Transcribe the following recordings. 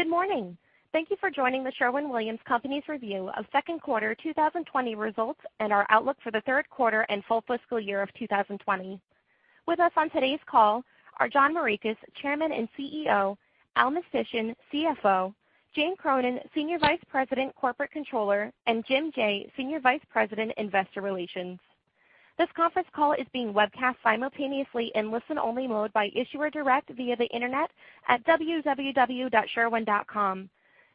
Good morning. Thank you for joining The Sherwin-Williams Company's review of second quarter 2020 results and our outlook for the third quarter and full fiscal year of 2020. With us on today's call are John Morikis, Chairman and CEO, Al Mistysyn, CFO, Jane Cronin, Senior Vice President, Corporate Controller, and Jim Jaye, Senior Vice President, Investor Relations. This conference call is being webcast simultaneously in listen-only mode by Issuer Direct via the internet at www.sherwin.com.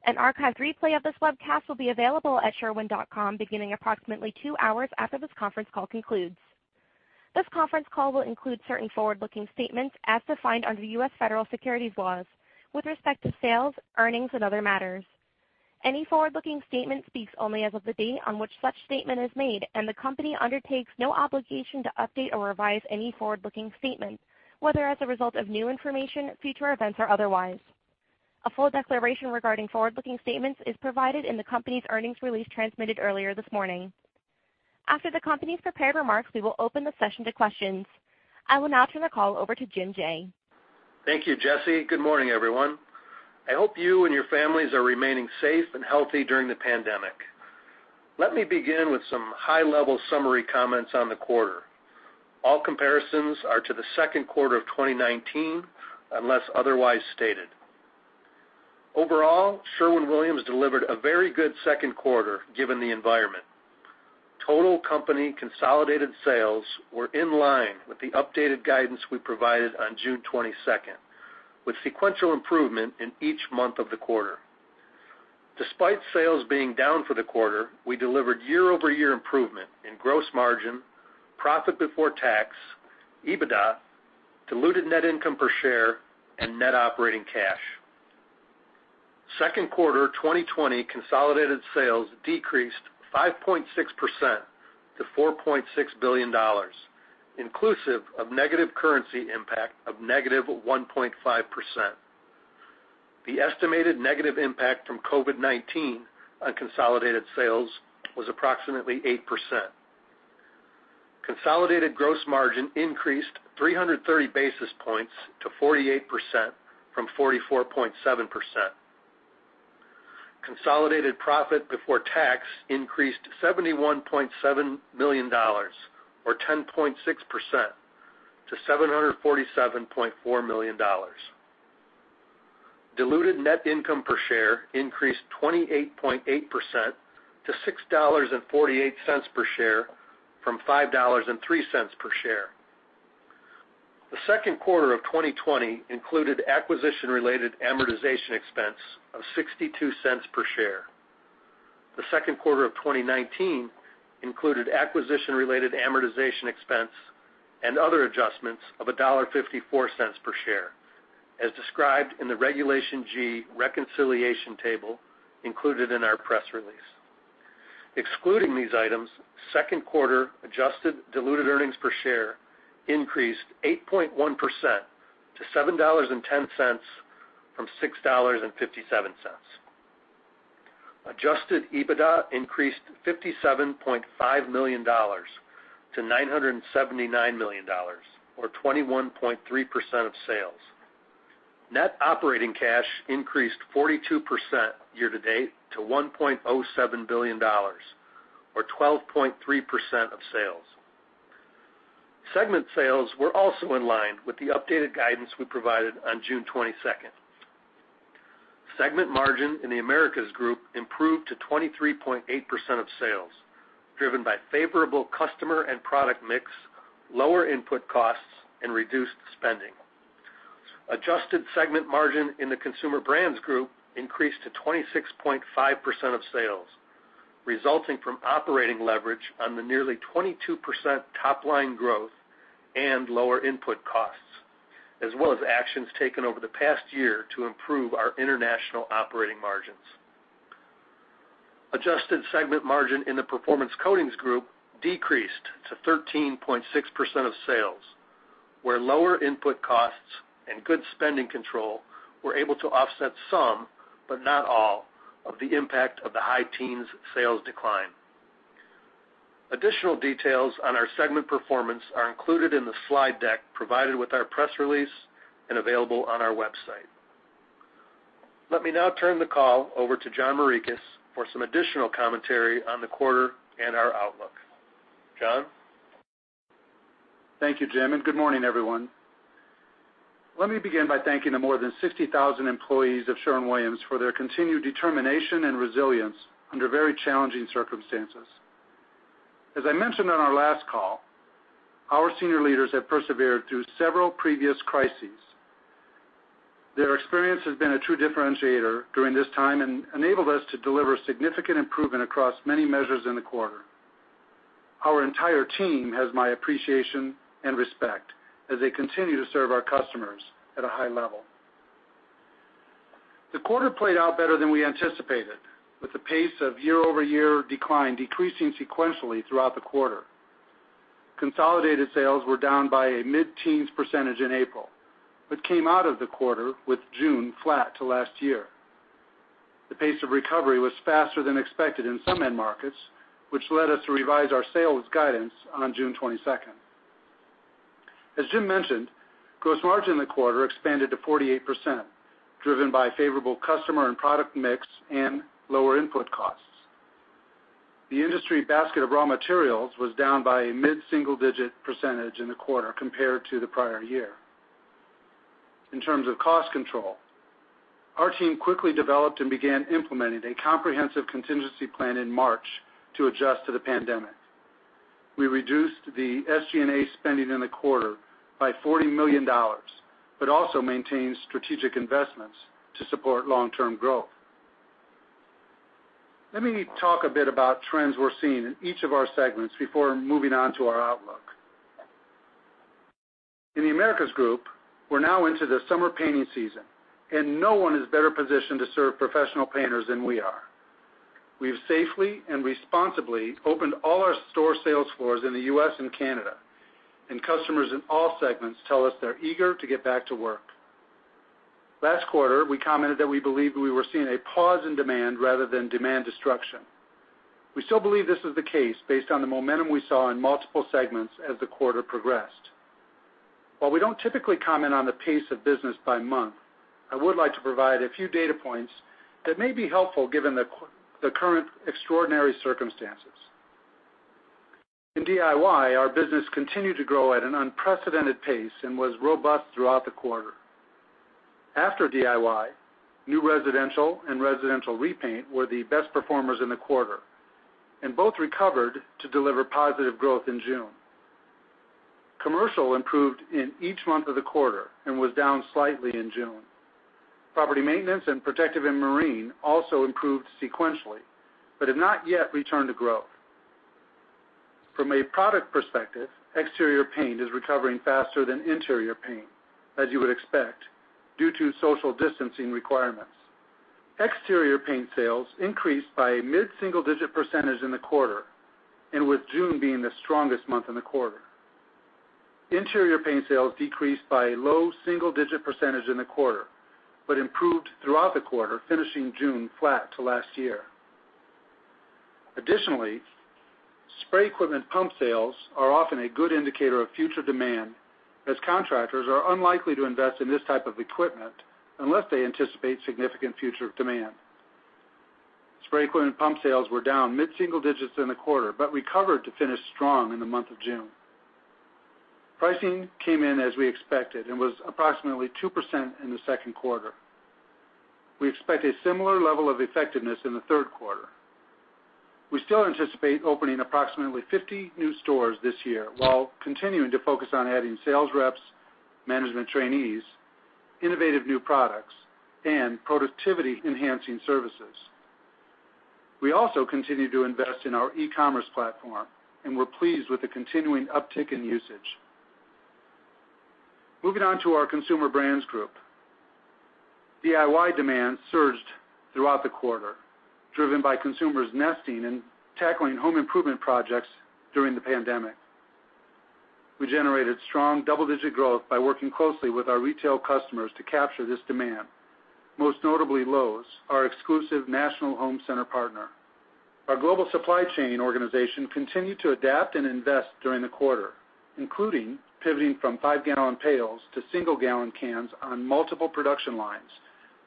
An archived replay of this webcast will be available at sherwin.com beginning approximately two hours after this conference call concludes. This conference call will include certain forward-looking statements as defined under U.S. federal securities laws with respect to sales, earnings, and other matters. Any forward-looking statement speaks only as of the date on which such statement is made, and the company undertakes no obligation to update or revise any forward-looking statement, whether as a result of new information, future events, or otherwise. A full declaration regarding forward-looking statements is provided in the company's earnings release transmitted earlier this morning. After the company's prepared remarks, we will open the session to questions. I will now turn the call over to Jim Jaye. Thank you, Jesse. Good morning, everyone. I hope you and your families are remaining safe and healthy during the pandemic. Let me begin with some high-level summary comments on the quarter. All comparisons are to the second quarter of 2019, unless otherwise stated. Overall, Sherwin-Williams delivered a very good second quarter, given the environment. Total company consolidated sales were in line with the updated guidance we provided on June 22nd, with sequential improvement in each month of the quarter. Despite sales being down for the quarter, we delivered year-over-year improvement in gross margin, profit before tax, EBITDA, diluted net income per share, and net operating cash. Second quarter 2020 consolidated sales decreased 5.6% to $4.6 billion, inclusive of negative currency impact of -1.5%. The estimated negative impact from COVID-19 on consolidated sales was approximately 8%. Consolidated gross margin increased 330 basis points to 48% from 44.7%. Consolidated profit before tax increased to $71.7 million, or 10.6%, to $747.4 million. Diluted net income per share increased 28.8% to $6.48 per share from $5.03 per share. The second quarter of 2020 included acquisition-related amortization expense of $0.62 per share. The second quarter of 2019 included acquisition-related amortization expense and other adjustments of $1.54 per share, as described in the Regulation G reconciliation table included in our press release. Excluding these items, second quarter adjusted diluted earnings per share increased 8.1% to $7.10 from $6.57. Adjusted EBITDA increased to $57.5 million, to $979 million, or 21.3% of sales. Net operating cash increased 42% year to date to $1.07 billion, or 12.3% of sales. Segment sales were also in line with the updated guidance we provided on June 22nd. Segment margin in the Americas Group improved to 23.8% of sales, driven by favorable customer and product mix, lower input costs, and reduced spending. Adjusted segment margin in the Consumer Brands Group increased to 26.5% of sales, resulting from operating leverage on the nearly 22% top-line growth and lower input costs, as well as actions taken over the past year to improve our international operating margins. Adjusted segment margin in the Performance Coatings Group decreased to 13.6% of sales, where lower input costs and good spending control were able to offset some, but not all, of the impact of the high teens sales decline. Additional details on our segment performance are included in the slide deck provided with our press release and available on our website. Let me now turn the call over to John Morikis for some additional commentary on the quarter and our outlook. John? Thank you, Jim. Good morning, everyone. Let me begin by thanking the more than 60,000 employees of Sherwin-Williams for their continued determination and resilience under very challenging circumstances. As I mentioned on our last call, our senior leaders have persevered through several previous crises. Their experience has been a true differentiator during this time and enabled us to deliver significant improvement across many measures in the quarter. Our entire team has my appreciation and respect as they continue to serve our customers at a high level. The quarter played out better than we anticipated, with the pace of year-over-year decline decreasing sequentially throughout the quarter. Consolidated sales were down by a mid-teens percentage in April, but came out of the quarter with June flat to last year. The pace of recovery was faster than expected in some end markets, which led us to revise our sales guidance on June 22nd. As Jim mentioned, gross margin in the quarter expanded to 48%, driven by favorable customer and product mix and lower input costs. The industry basket of raw materials was down by a mid-single-digit percentage in the quarter compared to the prior year. In terms of cost control, our team quickly developed and began implementing a comprehensive contingency plan in March to adjust to the pandemic. We reduced the SG&A spending in the quarter by $40 million, also maintained strategic investments to support long-term growth. Let me talk a bit about trends we're seeing in each of our segments before moving on to our outlook. In the Americas Group, we're now into the summer painting season, no one is better positioned to serve professional painters than we are. We've safely and responsibly opened all our store sales floors in the U.S. and Canada. Customers in all segments tell us they're eager to get back to work. Last quarter, we commented that we believed we were seeing a pause in demand rather than demand destruction. We still believe this is the case based on the momentum we saw in multiple segments as the quarter progressed. While we don't typically comment on the pace of business by month, I would like to provide a few data points that may be helpful given the current extraordinary circumstances. In DIY, our business continued to grow at an unprecedented pace and was robust throughout the quarter. After DIY, new residential and residential repaint were the best performers in the quarter. Both recovered to deliver positive growth in June. Commercial improved in each month of the quarter and was down slightly in June. Property maintenance and protective and marine also improved sequentially, but have not yet returned to growth. From a product perspective, exterior paint is recovering faster than interior paint, as you would expect, due to social distancing requirements. Exterior paint sales increased by a mid-single-digit percentage in the quarter, and with June being the strongest month in the quarter. Interior paint sales decreased by a low single-digit percentage in the quarter, but improved throughout the quarter, finishing June flat to last year. Additionally, spray equipment pump sales are often a good indicator of future demand, as contractors are unlikely to invest in this type of equipment unless they anticipate significant future demand. Spray equipment pump sales were down mid-single digits in the quarter, but recovered to finish strong in the month of June. Pricing came in as we expected and was approximately 2% in the second quarter. We expect a similar level of effectiveness in the third quarter. We still anticipate opening approximately 50 new stores this year while continuing to focus on adding sales reps, management trainees, innovative new products, and productivity-enhancing services. We also continue to invest in our e-commerce platform, and we're pleased with the continuing uptick in usage. Moving on to our Consumer Brands Group. DIY demand surged throughout the quarter, driven by consumers nesting and tackling home improvement projects during the pandemic. We generated strong double-digit growth by working closely with our retail customers to capture this demand, most notably Lowe's, our exclusive national home center partner. Our global supply chain organization continued to adapt and invest during the quarter, including pivoting from five-gallon pails to a single gallon cans on multiple production lines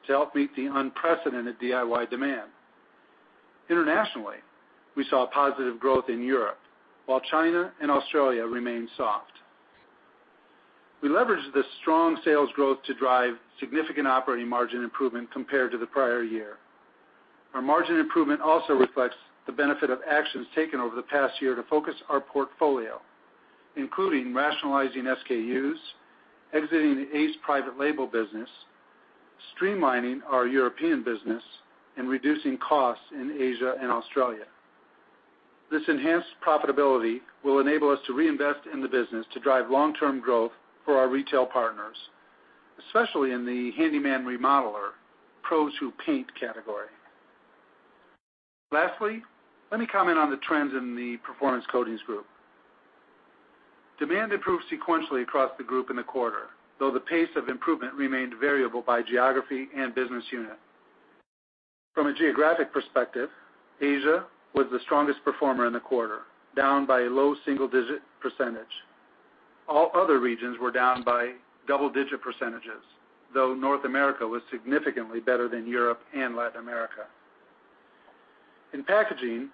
to help meet the unprecedented DIY demand. Internationally, we saw positive growth in Europe, while China and Australia remained soft. We leveraged this strong sales growth to drive significant operating margin improvement compared to the prior year. Our margin improvement also reflects the benefit of actions taken over the past year to focus our portfolio, including rationalizing SKUs, exiting the Ace private label business, streamlining our European business, and reducing costs in Asia and Australia. This enhanced profitability will enable us to reinvest in the business to drive long-term growth for our retail partners, especially in the handyman remodeler, pros who paint category. Lastly, let me comment on the trends in the Performance Coatings Group. Demand improved sequentially across the group in the quarter, though the pace of improvement remained variable by geography and business unit. From a geographic perspective, Asia was the strongest performer in the quarter, down by a low single-digit %. All other regions were down by double-digit %, though North America was significantly better than Europe and Latin America. In packaging,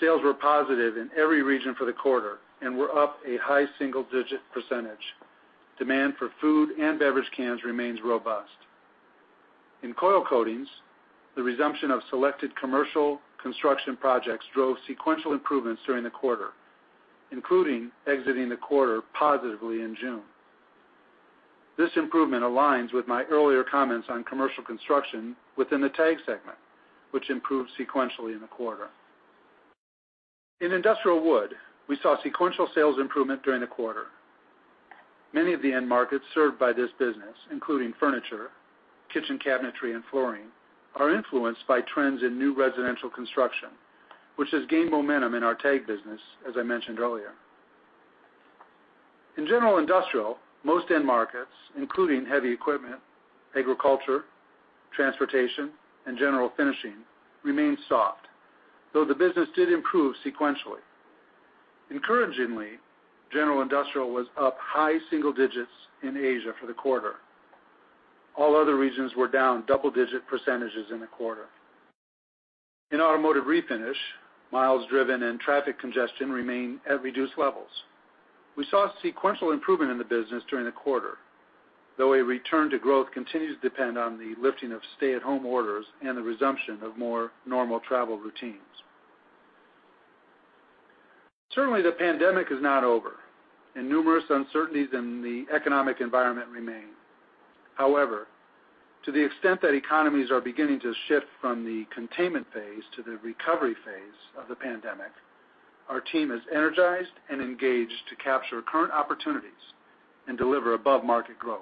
sales were positive in every region for the quarter and were up a high single-digit percentage. Demand for food and beverage cans remains robust. In coil coatings, the resumption of selected commercial construction projects drove sequential improvements during the quarter, including exiting the quarter positively in June. This improvement aligns with my earlier comments on commercial construction within the TAG segment, which improved sequentially in the quarter. In industrial wood, we saw sequential sales improvement during the quarter. Many of the end markets served by this business, including furniture, kitchen cabinetry, and flooring, are influenced by trends in new residential construction, which has gained momentum in our TAG business, as I mentioned earlier. In General Industrial, most end markets, including heavy equipment, agriculture, transportation, and general finishing, remain soft, though the business did improve sequentially. Encouragingly, General Industrial was up high single digits in Asia for the quarter. All other regions were down double-digit percentages in the quarter. In Automotive Refinish, miles driven and traffic congestion remain at reduced levels. We saw sequential improvement in the business during the quarter, though a return to growth continues to depend on the lifting of stay-at-home orders and the resumption of more normal travel routines. Certainly, the pandemic is not over, and numerous uncertainties in the economic environment remain. However, to the extent that economies are beginning to shift from the containment phase to the recovery phase of the pandemic, our team is energized and engaged to capture current opportunities and deliver above-market growth.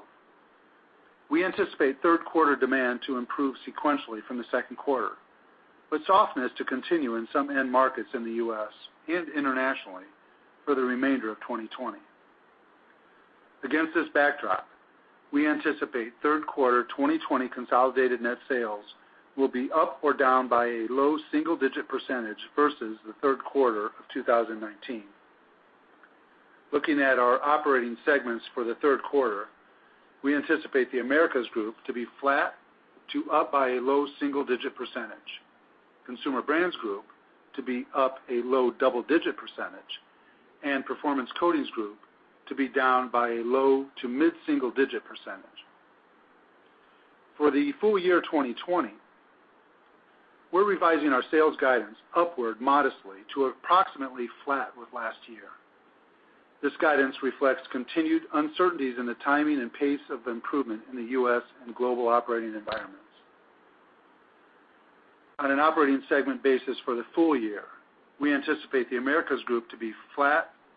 We anticipate third quarter demand to improve sequentially from the second quarter, but softness to continue in some end markets in the U.S. and internationally for the remainder of 2020. Against this backdrop, we anticipate third quarter 2020 consolidated net sales will be up or down by a low single-digit percentage versus the third quarter of 2019. Looking at our operating segments for the third quarter, we anticipate the Americas Group to be flat to up by a low single-digit percentage, Consumer Brands Group to be up a low double-digit percentage, and Performance Coatings Group to be down by a low to mid-single digit percentage. For the full year 2020, we're revising our sales guidance upward modestly to approximately flat with last year. This guidance reflects continued uncertainties in the timing and pace of improvement in the U.S. and global operating environments. On an operating segment basis for the full year, we anticipate the Americas Group to be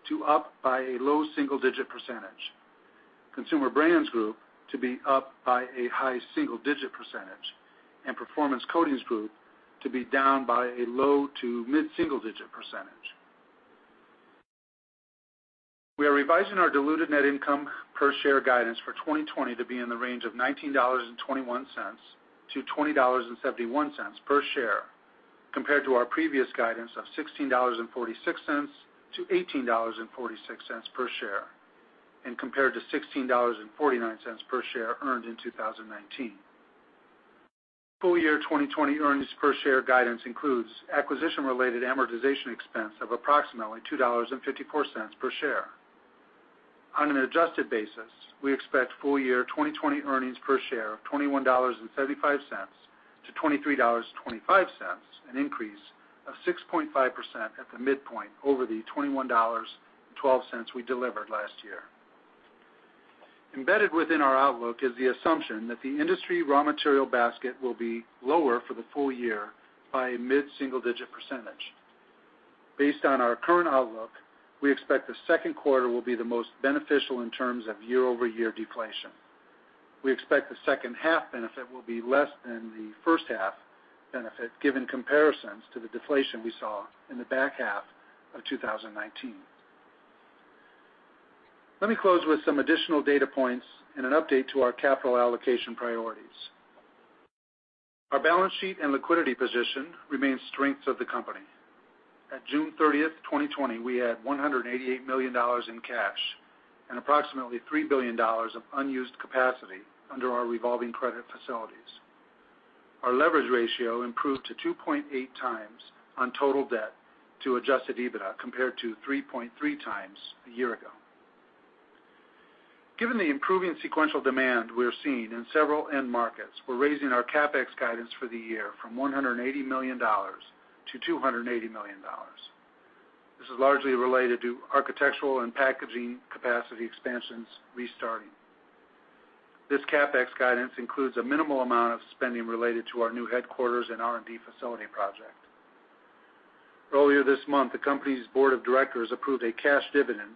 flat to up by a low single-digit percentage, Consumer Brands Group to be up by a high single-digit percentage, and Performance Coatings Group to be down by a low to mid-single-digit percentage. We are revising our diluted net income per share guidance for 2020 to be in the range of $19.21-$20.71 per share, compared to our previous guidance of $16.46-$18.46 per share, and compared to $16.49 per share earned in 2019. Full year 2020 earnings per share guidance includes acquisition-related amortization expense of approximately $2.54 per share. On an adjusted basis, we expect full year 2020 earnings per share of $21.75 to $23.25, an increase of 6.5% at the midpoint over the $21.12 we delivered last year. Embedded within our outlook is the assumption that the industry raw material basket will be lower for the full year by a mid-single digit percentage. Based on our current outlook, we expect the second quarter will be the most beneficial in terms of year-over-year deflation. We expect the second half benefit will be less than the first half benefit, given comparisons to the deflation we saw in the back half of 2019. Let me close with some additional data points and an update to our capital allocation priorities. Our balance sheet and liquidity position remain strengths of the company. At June 30th, 2020, we had $188 million in cash and approximately $3 billion of unused capacity under our revolving credit facilities. Our leverage ratio improved to 2.8x on total debt to adjusted EBITDA, compared to 3.3x a year ago. Given the improving sequential demand we're seeing in several end markets, we're raising our CapEx guidance for the year from $180 million to $280 million. This is largely related to architectural and packaging capacity expansions restarting. This CapEx guidance includes a minimal amount of spending related to our new headquarters and R&D facility project. Earlier this month, the company's board of directors approved a cash dividend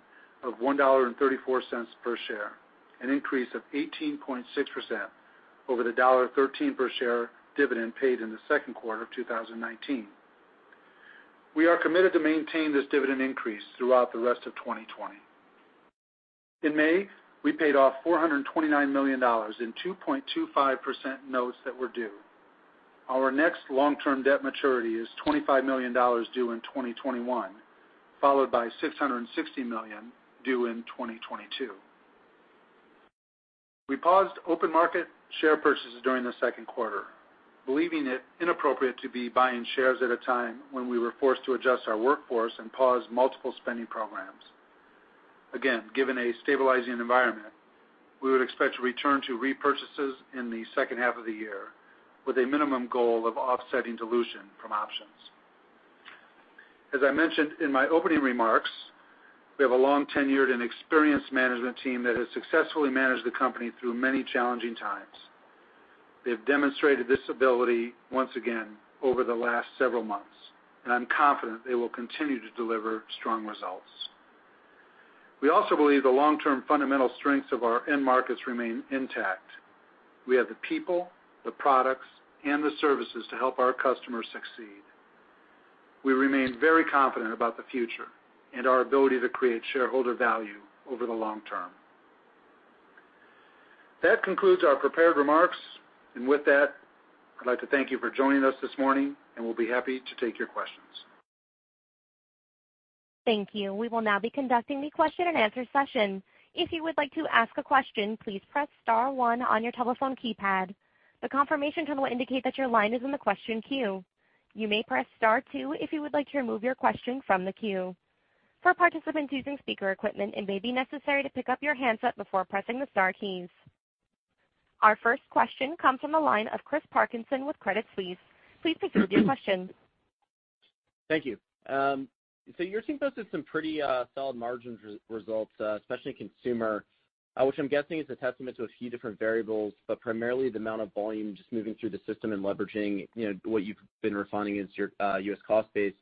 of $1.34 per share, an increase of 18.6% over the $1.13 per share dividend paid in the second quarter of 2019. We are committed to maintain this dividend increase throughout the rest of 2020. In May, we paid off $429 million in 2.25% notes that were due. Our next long-term debt maturity is $25 million due in 2021, followed by $660 million due in 2022. We paused open market share purchases during the second quarter, believing it inappropriate to be buying shares at a time when we were forced to adjust our workforce and pause multiple spending programs. Again, given a stabilizing environment, we would expect to return to repurchases in the second half of the year with a minimum goal of offsetting dilution from options. As I mentioned in my opening remarks, we have a long-tenured and experienced management team that has successfully managed the company through many challenging times. They've demonstrated this ability once again over the last several months, and I'm confident they will continue to deliver strong results. We also believe the long-term fundamental strengths of our end markets remain intact. We have the people, the products, and the services to help our customers succeed. We remain very confident about the future and our ability to create shareholder value over the long term. That concludes our prepared remarks. With that, I'd like to thank you for joining us this morning, and we'll be happy to take your questions. Thank you. We will now be conducting the question and answer session. If you would like to ask a question, please press star one on your telephone keypad. The confirmation tone will indicate that your line is in the question queue. You may press star two if you would like to remove your question from the queue. For participants using speaker equipment, it may be necessary to pick up your handset before pressing the star keys. Our first question comes from the line of Chris Parkinson with Credit Suisse. Please proceed with your question. Thank you. You're seeing posted some pretty solid margin results, especially in consumer, which I'm guessing is a testament to a few different variables, but primarily the amount of volume just moving through the system and leveraging what you've been refining into your U.S. cost base.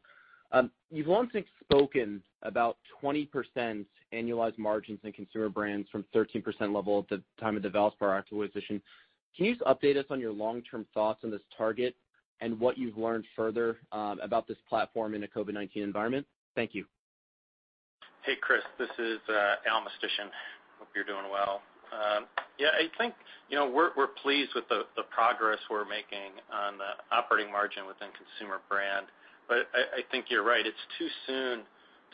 You've long since spoken about 20% annualized margins in consumer brands from 13% level at the time of the Valspar acquisition. Can you just update us on your long-term thoughts on this target and what you've learned further about this platform in a COVID-19 environment? Thank you. Hey, Chris. This is Al Mistysyn. Hope you're doing well. Yeah, I think, we're pleased with the progress we're making on the operating margin within Consumer Brands Group. I think you're right. It's too soon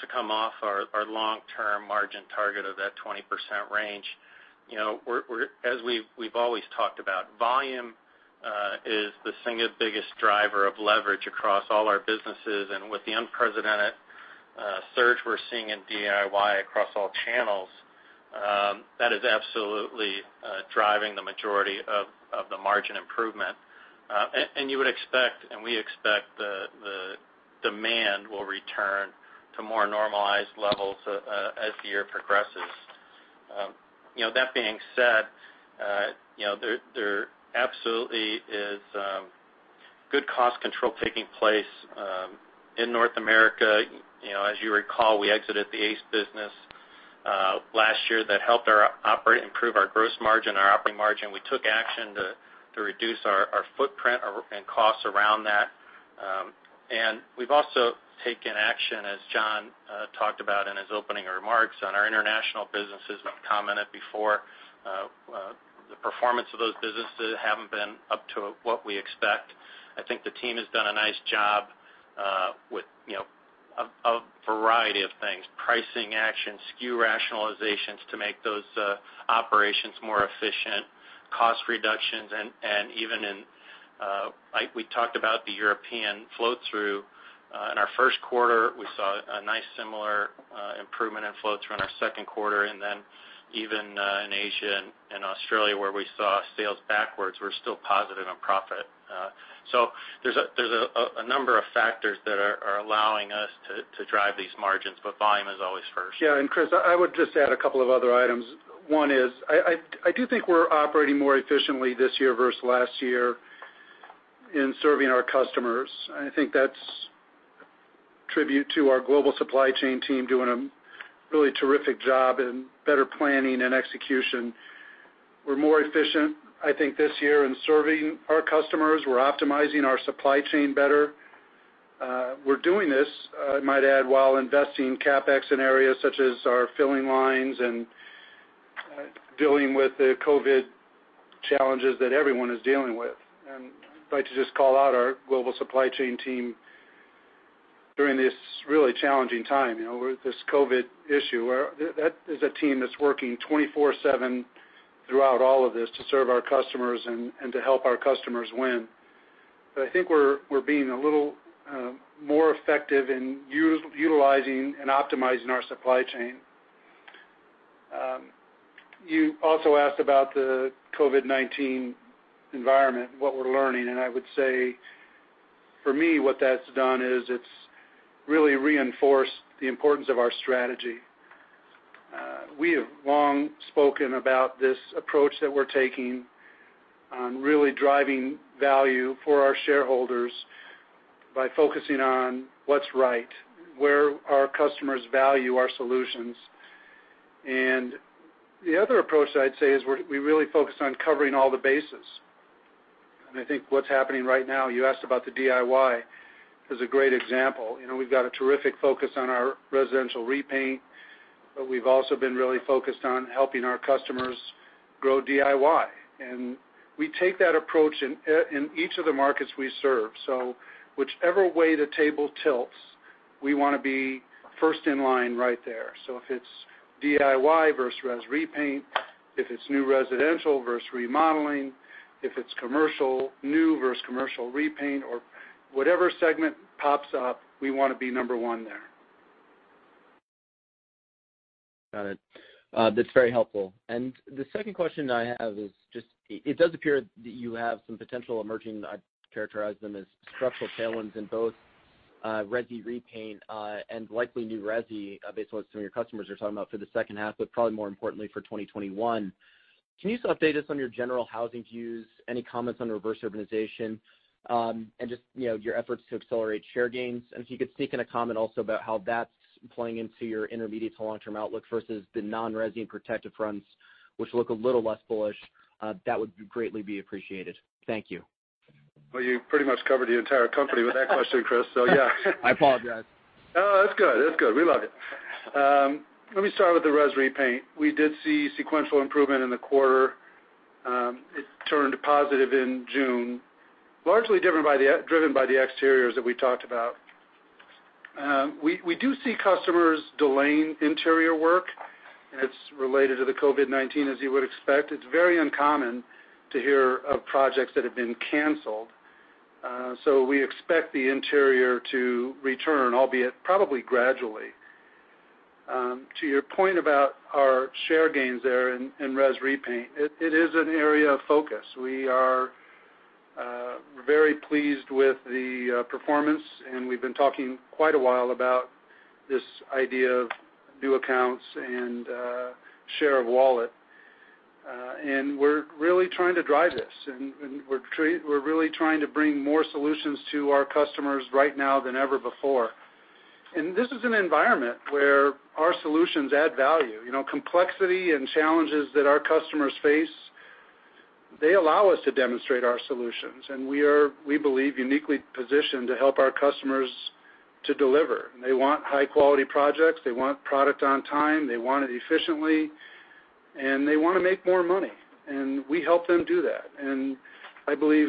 to come off our long-term margin target of that 20% range. As we've always talked about, volume is the single biggest driver of leverage across all our businesses, and with the unprecedented surge we're seeing in DIY across all channels, that is absolutely driving the majority of the margin improvement. You would expect, and we expect, the demand will return to more normalized levels as the year progresses. That being said, there absolutely is good cost control taking place in North America. As you recall, we exited the ACE business last year. That helped improve our gross margin, our operating margin. We took action to reduce our footprint and costs around that. We've also taken action, as John talked about in his opening remarks, on our international businesses. We've commented before, the performance of those businesses haven't been up to what we expect. I think the team has done a nice job with a variety of things, pricing actions, SKU rationalizations to make those operations more efficient, cost reductions, and even in, like we talked about, the European flow-through. In our first quarter, we saw a nice similar improvement in flow-through in our second quarter, even in Asia and Australia, where we saw sales backwards, we're still positive on profit. There's a number of factors that are allowing us to drive these margins, but volume is always first. Yeah, Chris, I would just add a couple of other items. One is, I do think we're operating more efficiently this year versus last year in serving our customers. I think that's a tribute to our global supply chain team doing a really terrific job in better planning and execution. We're more efficient, I think, this year in serving our customers. We're optimizing our supply chain better. We're doing this, I might add, while investing in CapEx in areas such as our filling lines and dealing with the COVID challenges that everyone is dealing with. I'd like to just call out our global supply chain team during this really challenging time, this COVID issue. That is a team that's working 24/7 throughout all of this to serve our customers and to help our customers win. I think we're being a little more effective in utilizing and optimizing our supply chain. You also asked about the COVID-19 environment, what we're learning, and I would say for me, what that's done is it's really reinforced the importance of our strategy. We have long spoken about this approach that we're taking on really driving value for our shareholders by focusing on what's right, where our customers value our solutions. The other approach that I'd say is we really focus on covering all the bases. I think what's happening right now, you asked about the DIY, is a great example. We've got a terrific focus on our residential repaint, but we've also been really focused on helping our customers grow DIY. We take that approach in each of the markets we serve. Whichever way the table tilts, we want to be first in line right there. If it's DIY versus res repaint, if it's new residential versus remodeling, if it's commercial new versus commercial repaint or whatever segment pops up, we want to be number one there. Got it. That's very helpful. The second question I have is just, it does appear that you have some potential emerging, I'd characterize them as structural tailwinds in both resi repaint and likely new resi based on what some of your customers are talking about for the second half, but probably more importantly for 2021. Can you just update us on your general housing views, any comments on the reverse urbanization, and just your efforts to accelerate share gains? If you could sneak in a comment also about how that's playing into your intermediate to long-term outlook versus the non-resi and protective fronts, which look a little less bullish, that would greatly be appreciated. Thank you. Well, you pretty much covered the entire company with that question, Chris. Yeah. I apologize. No, that's good. We love it. Let me start with the res repaint. We did see sequential improvement in the quarter. It turned positive in June, largely driven by the exteriors that we talked about. We do see customers delaying interior work, and it's related to the COVID-19, as you would expect. It's very uncommon to hear of projects that have been canceled. We expect the interior to return, albeit probably gradually. To your point about our share gains there in res repaint, it is an area of focus. We are very pleased with the performance, and we've been talking quite a while about this idea of new accounts and share of wallet. We're really trying to drive this, and we're really trying to bring more solutions to our customers right now than ever before. This is an environment where our solutions add value. Complexity and challenges that our customers face, they allow us to demonstrate our solutions. We are, we believe, uniquely positioned to help our customers to deliver. They want high-quality projects. They want product on time, they want it efficiently, and they want to make more money. We help them do that. I believe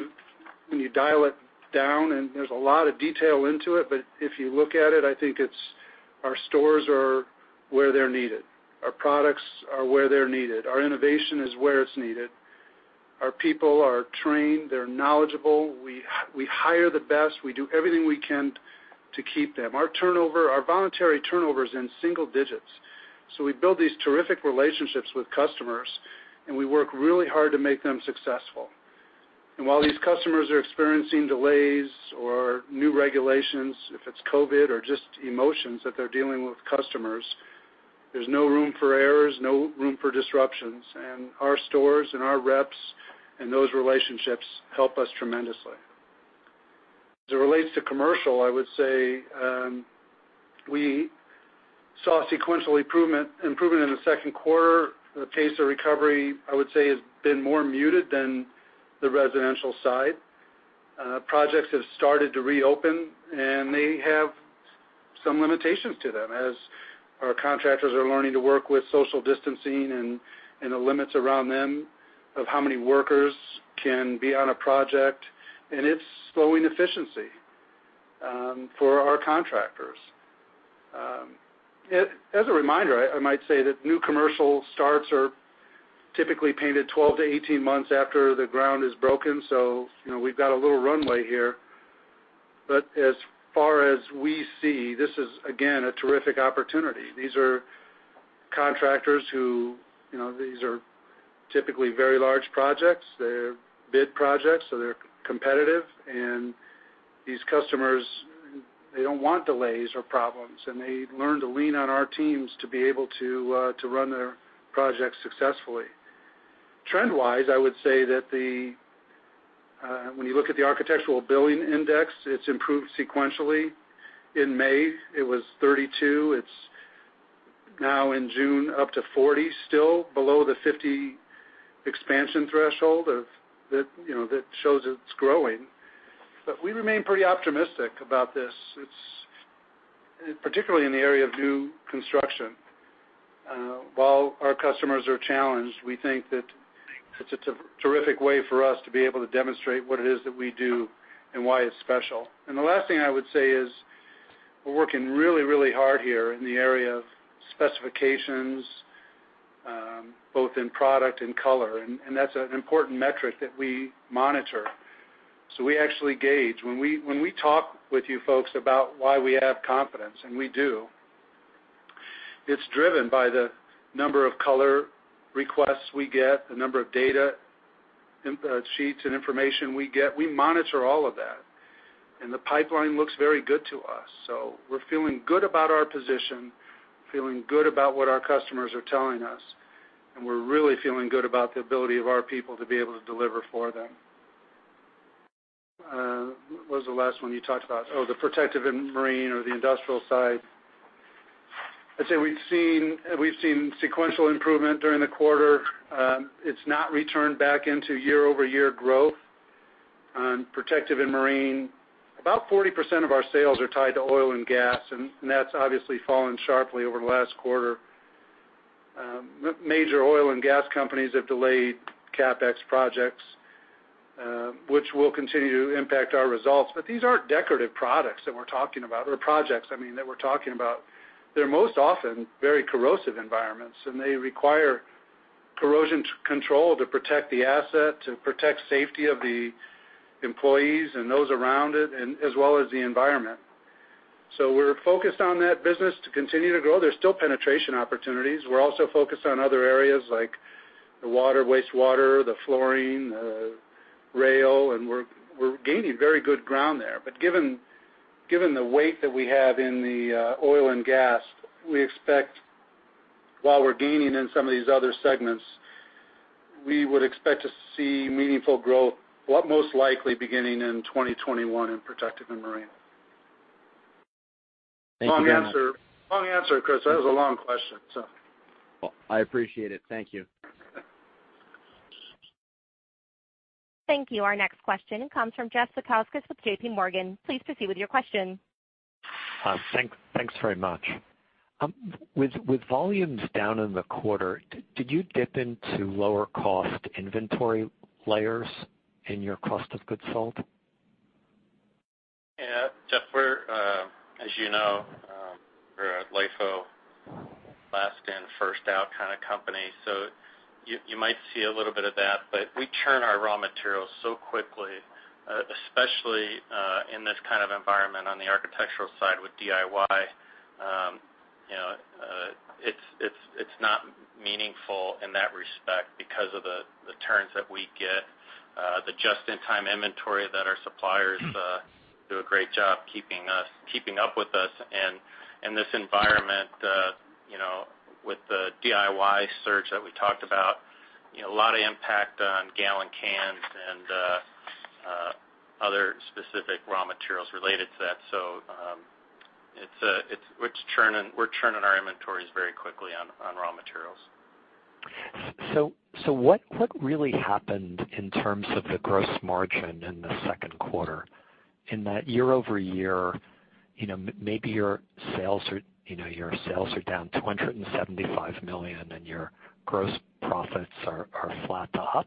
when you dial it down, and there's a lot of detail into it, but if you look at it, I think it's our stores are where they're needed. Our products are where they're needed. Our innovation is where it's needed. Our people are trained. They're knowledgeable. We hire the best. We do everything we can to keep them. Our voluntary turnover is in single digits. We build these terrific relationships with customers, and we work really hard to make them successful. While these customers are experiencing delays or new regulations, if it's COVID or just emotions that they're dealing with customers, there's no room for errors, no room for disruptions. Our stores and our reps and those relationships help us tremendously. As it relates to commercial, I would say, we saw sequential improvement in the second quarter. The pace of recovery, I would say, has been more muted than the residential side. Projects have started to reopen, and they have some limitations to them as our contractors are learning to work with social distancing and the limits around them of how many workers can be on a project. It's slowing efficiency for our contractors. As a reminder, I might say that new commercial starts are typically painted 12-18 months after the ground is broken. We've got a little runway here. As far as we see, this is, again, a terrific opportunity. These are contractors who, these are typically very large projects. They're bid projects, so they're competitive. These customers, they don't want delays or problems, and they learn to lean on our teams to be able to run their projects successfully. Trend-wise, I would say that when you look at the Architectural Billings Index, it's improved sequentially. In May, it was 32. It's now in June, up to 40, still below the 50 expansion threshold that shows it's growing. We remain pretty optimistic about this, particularly in the area of new construction. While our customers are challenged, we think that it's a terrific way for us to be able to demonstrate what it is that we do and why it's special. The last thing I would say is we're working really hard here in the area of specifications, both in product and color, and that's an important metric that we monitor. We actually gauge. When we talk with you folks about why we have confidence, and we do, it's driven by the number of color requests we get, the number of data sheets and information we get. We monitor all of that. The pipeline looks very good to us. We're feeling good about our position, feeling good about what our customers are telling us, and we're really feeling good about the ability of our people to be able to deliver for them. What was the last one you talked about? The protective and marine or the industrial side. I'd say we've seen sequential improvement during the quarter. It's not returned back into year-over-year growth on protective and marine. About 40% of our sales are tied to oil and gas, and that's obviously fallen sharply over the last quarter. Major oil and gas companies have delayed CapEx projects, which will continue to impact our results. These aren't decorative products that we're talking about, or projects, I mean, that we're talking about. They're most often very corrosive environments, and they require corrosion control to protect the asset, to protect safety of the employees and those around it, as well as the environment. We're focused on that business to continue to grow. There's still penetration opportunities. We're also focused on other areas like the water, wastewater, the flooring, the rail, and we're gaining very good ground there. Given the weight that we have in the oil and gas, while we're gaining in some of these other segments, we would expect to see meaningful growth, most likely beginning in 2021 in protective and marine. Thank you very much. Long answer, Chris. That was a long question. Well, I appreciate it. Thank you. Thank you. Our next question comes from Jeff Zekauskas with JPMorgan. Please proceed with your question. Thanks very much. With volumes down in the quarter, did you dip into lower cost inventory layers in your cost of goods sold? Yeah, Jeff, as you know, we're a LIFO, last in, first out kind of company, so you might see a little bit of that, but we turn our raw materials so quickly, especially in this kind of environment on the architectural side with DIY. It's not meaningful in that respect because of the turns that we get, the just-in-time inventory that our suppliers do a great job keeping up with us. In this environment, with the DIY surge that we talked about, a lot of impact on gallon cans and other specific raw materials related to that. We're churning our inventories very quickly on raw materials. What really happened in terms of the gross margin in the second quarter? Year-over-year, maybe your sales are down $275 million. Your gross profits are flat to up,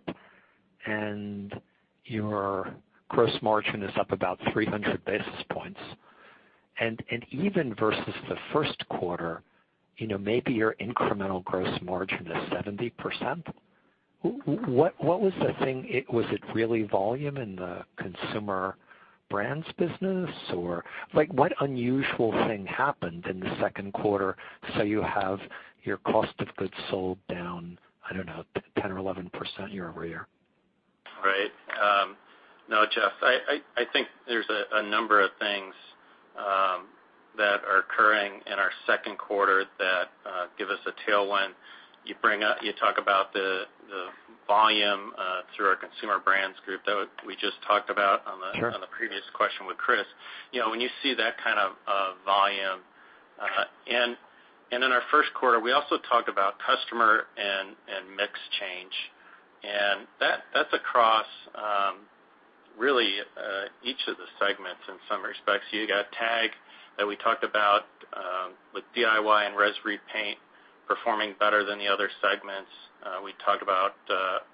your gross margin is up about 300 basis points. Even versus the first quarter, maybe your incremental gross margin is 70%. What was the thing? Was it really volume in the Consumer Brands Group? What unusual thing happened in the second quarter so you have your cost of goods sold down, I don't know, 10% or 11% year-over-year? Right. No, Jeff, I think there's a number of things that are occurring in our second quarter that give us a tailwind. You talk about the volume through our Consumer Brands Group. Sure. on the previous question with Chris. When you see that kind of volume, and in our first quarter, we also talked about customer and mix change. That's across really each of the segments in some respects. You got TAG that we talked about, with DIY and res-repaint performing better than the other segments. We talked about,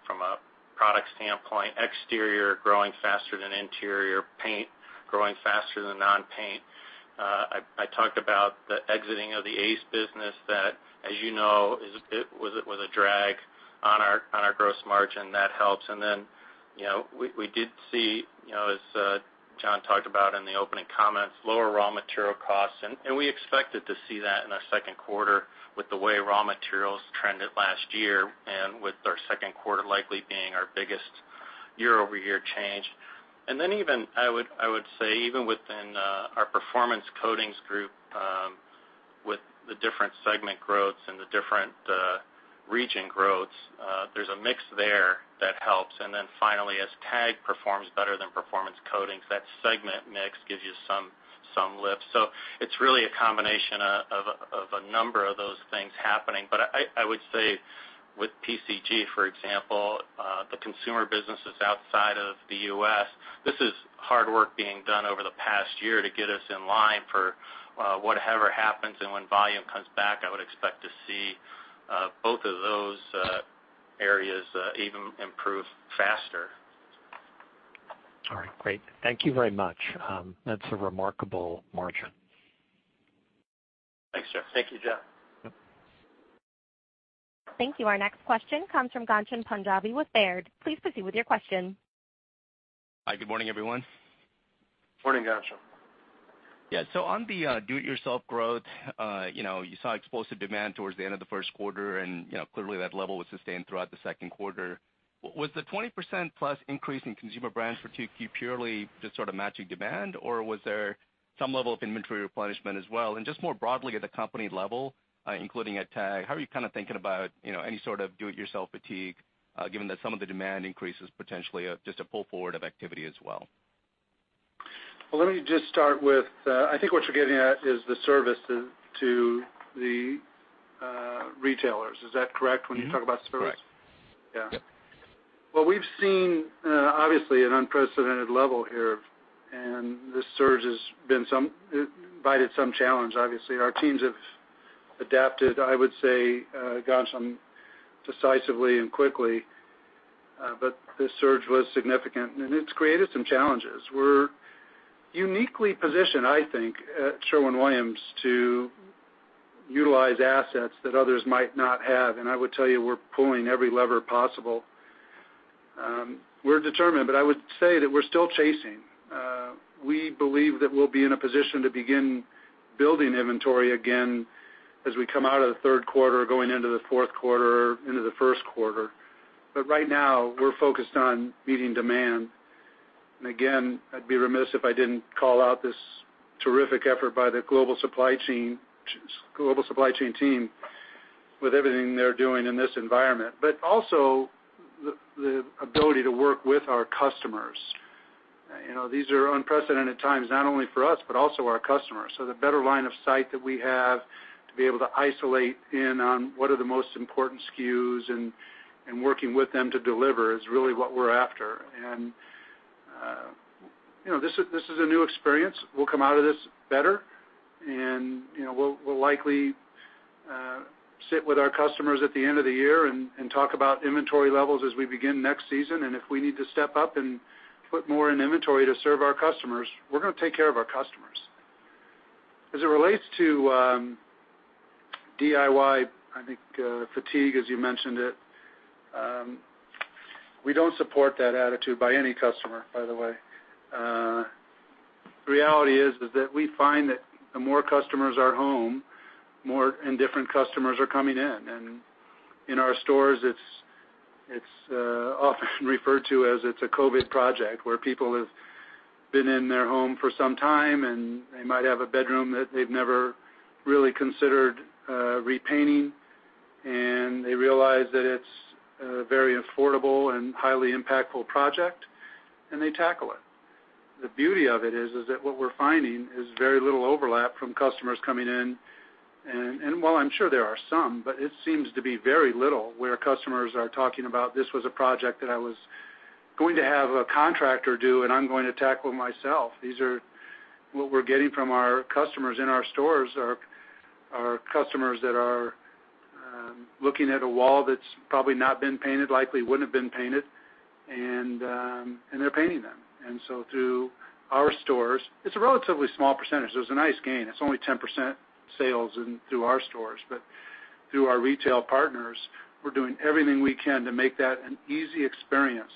from a product standpoint, exterior growing faster than interior paint, growing faster than non-paint. I talked about the exiting of the ACE business that, as you know, was a drag on our gross margin. That helps. We did see, as John talked about in the opening comments, lower raw material costs. We expected to see that in our second quarter with the way raw materials trended last year and with our second quarter likely being our biggest year-over-year change. I would say even within our Performance Coatings Group, with the different segment growths and the different region growths, there's a mix there that helps. Finally, as TAG performs better than Performance Coatings, that segment mix gives you some lift. It's really a combination of a number of those things happening. I would say with PCG, for example, the consumer businesses outside of the U.S., this is hard work being done over the past year to get us in line for whatever happens. When volume comes back, I would expect to see both of those areas even improve faster. All right. Great. Thank you very much. That's a remarkable margin. Thanks, Jeff. Thank you, Jeff. Yep. Thank you. Our next question comes from Ghansham Panjabi with Baird. Please proceed with your question. Hi, good morning, everyone. Morning, Ghansham. Yeah. On the do-it-yourself growth, you saw explosive demand towards the end of the first quarter. Clearly that level was sustained throughout the second quarter. Was the 20%+ increase in Consumer Brands for 2Q purely just sort of matching demand, or was there some level of inventory replenishment as well? Just more broadly at the company level, including at TAG, how are you kind of thinking about any sort of do-it-yourself fatigue, given that some of the demand increase is potentially just a pull forward of activity as well? Well, let me just start with, I think what you're getting at is the service to the retailers. Is that correct when you talk about service? Correct. Yeah. Yep. Well, we've seen, obviously, an unprecedented level here, and this surge has birthed some challenge, obviously. Our teams have adapted, I would say, Ghansham, decisively and quickly, but this surge was significant, and it's created some challenges. We're uniquely positioned, I think, at Sherwin-Williams to utilize assets that others might not have, and I would tell you we're pulling every lever possible. We're determined, but I would say that we're still chasing. We believe that we'll be in a position to begin building inventory again as we come out of the third quarter, going into the fourth quarter into the first quarter. Right now, we're focused on meeting demand. Again, I'd be remiss if I didn't call out this terrific effort by the global supply chain team with everything they're doing in this environment, but also the ability to work with our customers. These are unprecedented times, not only for us, but also our customers. The better line of sight that we have to be able to isolate in on what are the most important SKUs and working with them to deliver is really what we're after. This is a new experience. We'll come out of this better, and we'll likely sit with our customers at the end of the year and talk about inventory levels as we begin next season. If we need to step up and put more in inventory to serve our customers, we're going to take care of our customers. As it relates to DIY, I think, fatigue, as you mentioned it, we don't support that attitude by any customer, by the way. The reality is that we find that the more customers are at home, more and different customers are coming in. In our stores, it's often referred to as it's a COVID project, where people have been in their home for some time, and they might have a bedroom that they've never really considered repainting, and they realize that it's a very affordable and highly impactful project, and they tackle it. The beauty of it is that what we're finding is very little overlap from customers coming in. While I'm sure there are some, but it seems to be very little where customers are talking about, this was a project that I was going to have a contractor do, and I'm going to tackle myself. These are what we're getting from our customers in our stores, are customers that are looking at a wall that's probably not been painted, likely wouldn't have been painted, and they're painting them. Through our stores, it's a relatively small percentage. It was a nice gain. It's only 10% sales through our stores. Through our retail partners, we're doing everything we can to make that an easy experience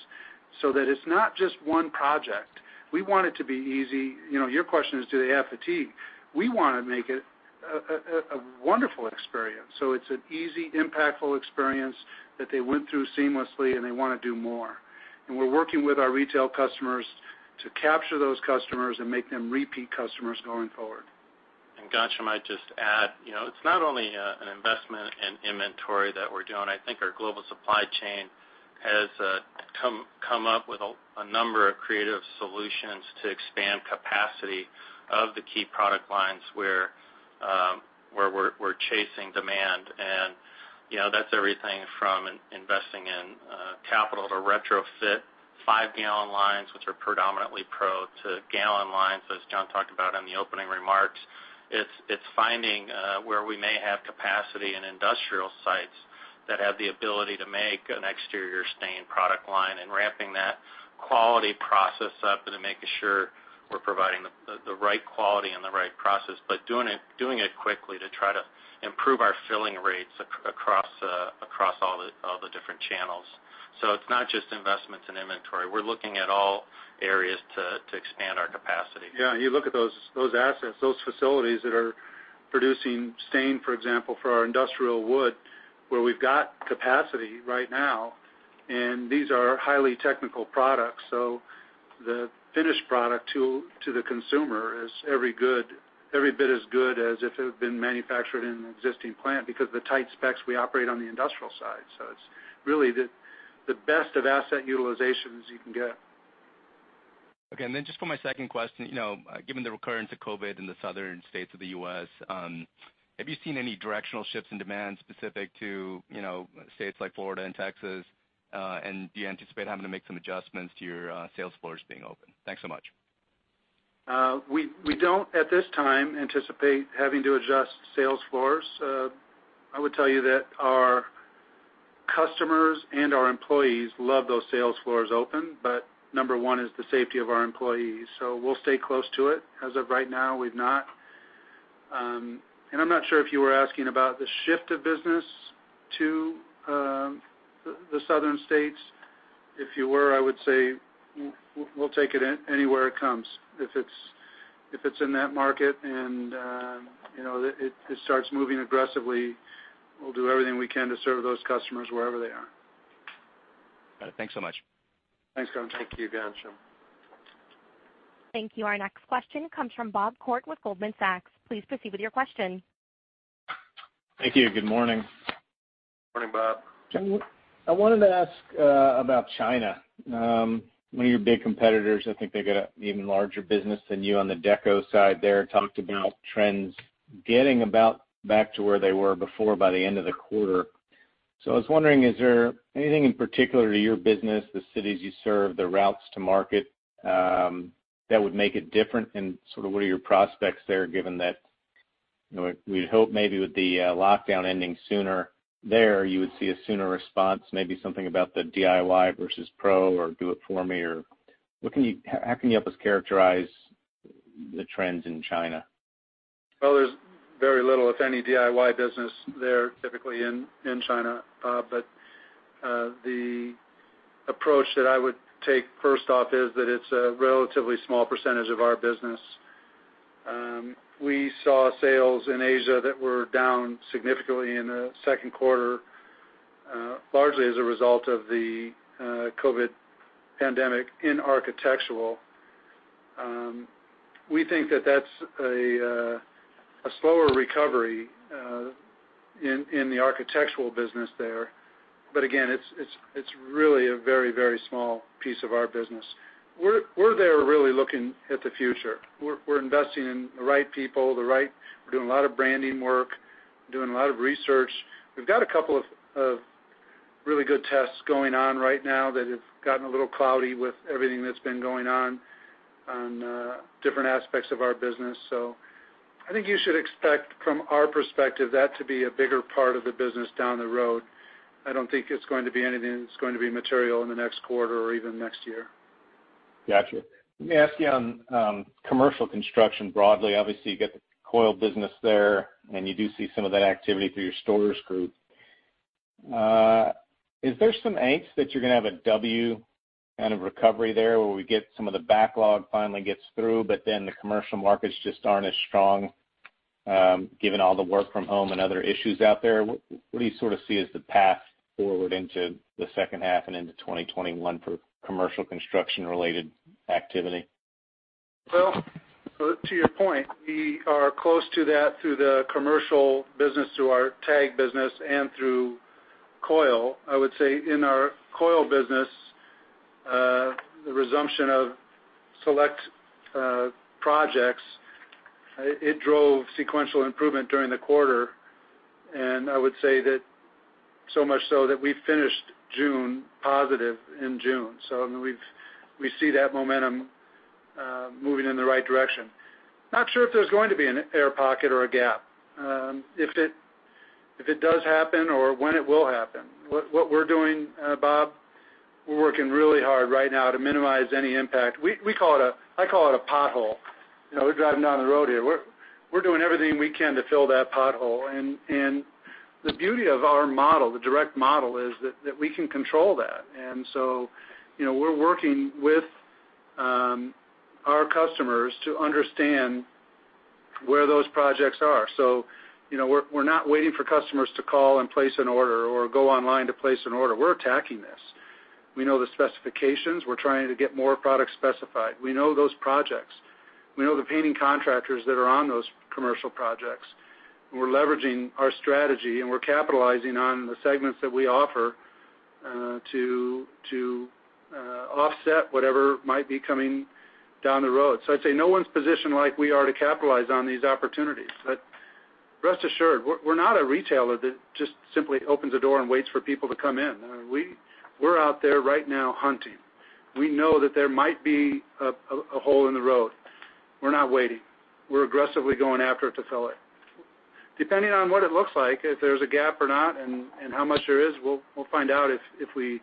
so that it's not just one project. We want it to be easy. Your question is, do they have fatigue? We want to make it a wonderful experience. It's an easy, impactful experience that they went through seamlessly, and they want to do more. We're working with our retail customers to capture those customers and make them repeat customers going forward. Ghansham, I'd just add, it's not only an investment in inventory that we're doing. I think our global supply chain has come up with a number of creative solutions to expand capacity of the key product lines where we're chasing demand. That's everything from investing in capital to retrofit five-gallon lines, which are predominantly pro to gallon lines, as John talked about in the opening remarks. It's finding where we may have capacity in industrial sites that have the ability to make an exterior stain product line and ramping that quality process up and then making sure we're providing the right quality and the right process, but doing it quickly to try to improve our filling rates across all the different channels. It's not just investments in inventory. We're looking at all areas to expand our capacity. You look at those assets, those facilities that are producing stain, for example, for our industrial wood, where we've got capacity right now, and these are highly technical products. The finished product to the consumer is every bit as good as if it had been manufactured in an existing plant because the tight specs we operate on the industrial side. It's really the best of asset utilizations you can get. Okay, just for my second question, given the recurrence of COVID in the southern states of the U.S., have you seen any directional shifts in demand specific to states like Florida and Texas? Do you anticipate having to make some adjustments to your sales floors being open? Thanks so much. We don't at this time anticipate having to adjust sales floors. I would tell you that our customers and our employees love those sales floors open. Number one is the safety of our employees. We'll stay close to it. As of right now, we've not. I'm not sure if you were asking about the shift of business to the southern states. If you were, I would say we'll take it in anywhere it comes. If it's in that market and it starts moving aggressively, we'll do everything we can to serve those customers wherever they are. Got it. Thanks so much. Thanks, Ghansham. Thank you again, Ghansham. Thank you. Our next question comes from Bob Koort with Goldman Sachs. Please proceed with your question. Thank you. Good morning. Morning, Bob. John, I wanted to ask about China. One of your big competitors, I think they've got an even larger business than you on the deco side there, talked about trends getting about back to where they were before by the end of the quarter. I was wondering, is there anything in particular to your business, the cities you serve, the routes to market, that would make it different? Sort of what are your prospects there, given that we'd hope maybe with the lockdown ending sooner there, you would see a sooner response, maybe something about the DIY versus pro or Do It For Me. How can you help us characterize the trends in China? Well, there's very little, if any DIY business there typically in China. The approach that I would take first off is that it's a relatively small percentage of our business. We saw sales in Asia that were down significantly in the second quarter, largely as a result of the COVID pandemic in architectural. We think that that's a slower recovery in the architectural business there. Again, it's really a very small piece of our business. We're there really looking at the future. We're investing in the right people. We're doing a lot of branding work, doing a lot of research. We've got a couple of really good tests going on right now that have gotten a little cloudy with everything that's been going on different aspects of our business. I think you should expect from our perspective that to be a bigger part of the business down the road. I don't think it's going to be anything that's going to be material in the next quarter or even next year. Got you. Let me ask you on commercial construction broadly. Obviously, you get the coil business there, and you do see some of that activity through your stores group. Is there some angst that you're going to have a W kind of recovery there, where we get some of the backlog finally gets through, but then the commercial markets just aren't as strong, given all the work from home and other issues out there? What do you sort of see as the path forward into the second half and into 2021 for commercial construction-related activity? To your point, we are close to that through the commercial business, through our TAG business and through coil. I would say in our coil business, the resumption of select projects, it drove sequential improvement during the quarter, and I would say that so much so that we finished June positive in June. We see that momentum moving in the right direction. Not sure if there's going to be an air pocket or a gap. If it does happen or when it will happen, what we're doing, Bob, we're working really hard right now to minimize any impact. I call it a pothole. We're driving down the road here. We're doing everything we can to fill that pothole. The beauty of our model, the direct model, is that we can control that. We're working with our customers to understand where those projects are. We're not waiting for customers to call and place an order or go online to place an order. We're attacking this. We know the specifications. We're trying to get more products specified. We know those projects. We know the painting contractors that are on those commercial projects. We're leveraging our strategy, and we're capitalizing on the segments that we offer to offset whatever might be coming down the road. I'd say no one's positioned like we are to capitalize on these opportunities. Rest assured, we're not a retailer that just simply opens the door and waits for people to come in. We're out there right now hunting. We know that there might be a hole in the road. We're not waiting. We're aggressively going after it to fill it. Depending on what it looks like, if there's a gap or not, and how much there is, we'll find out if we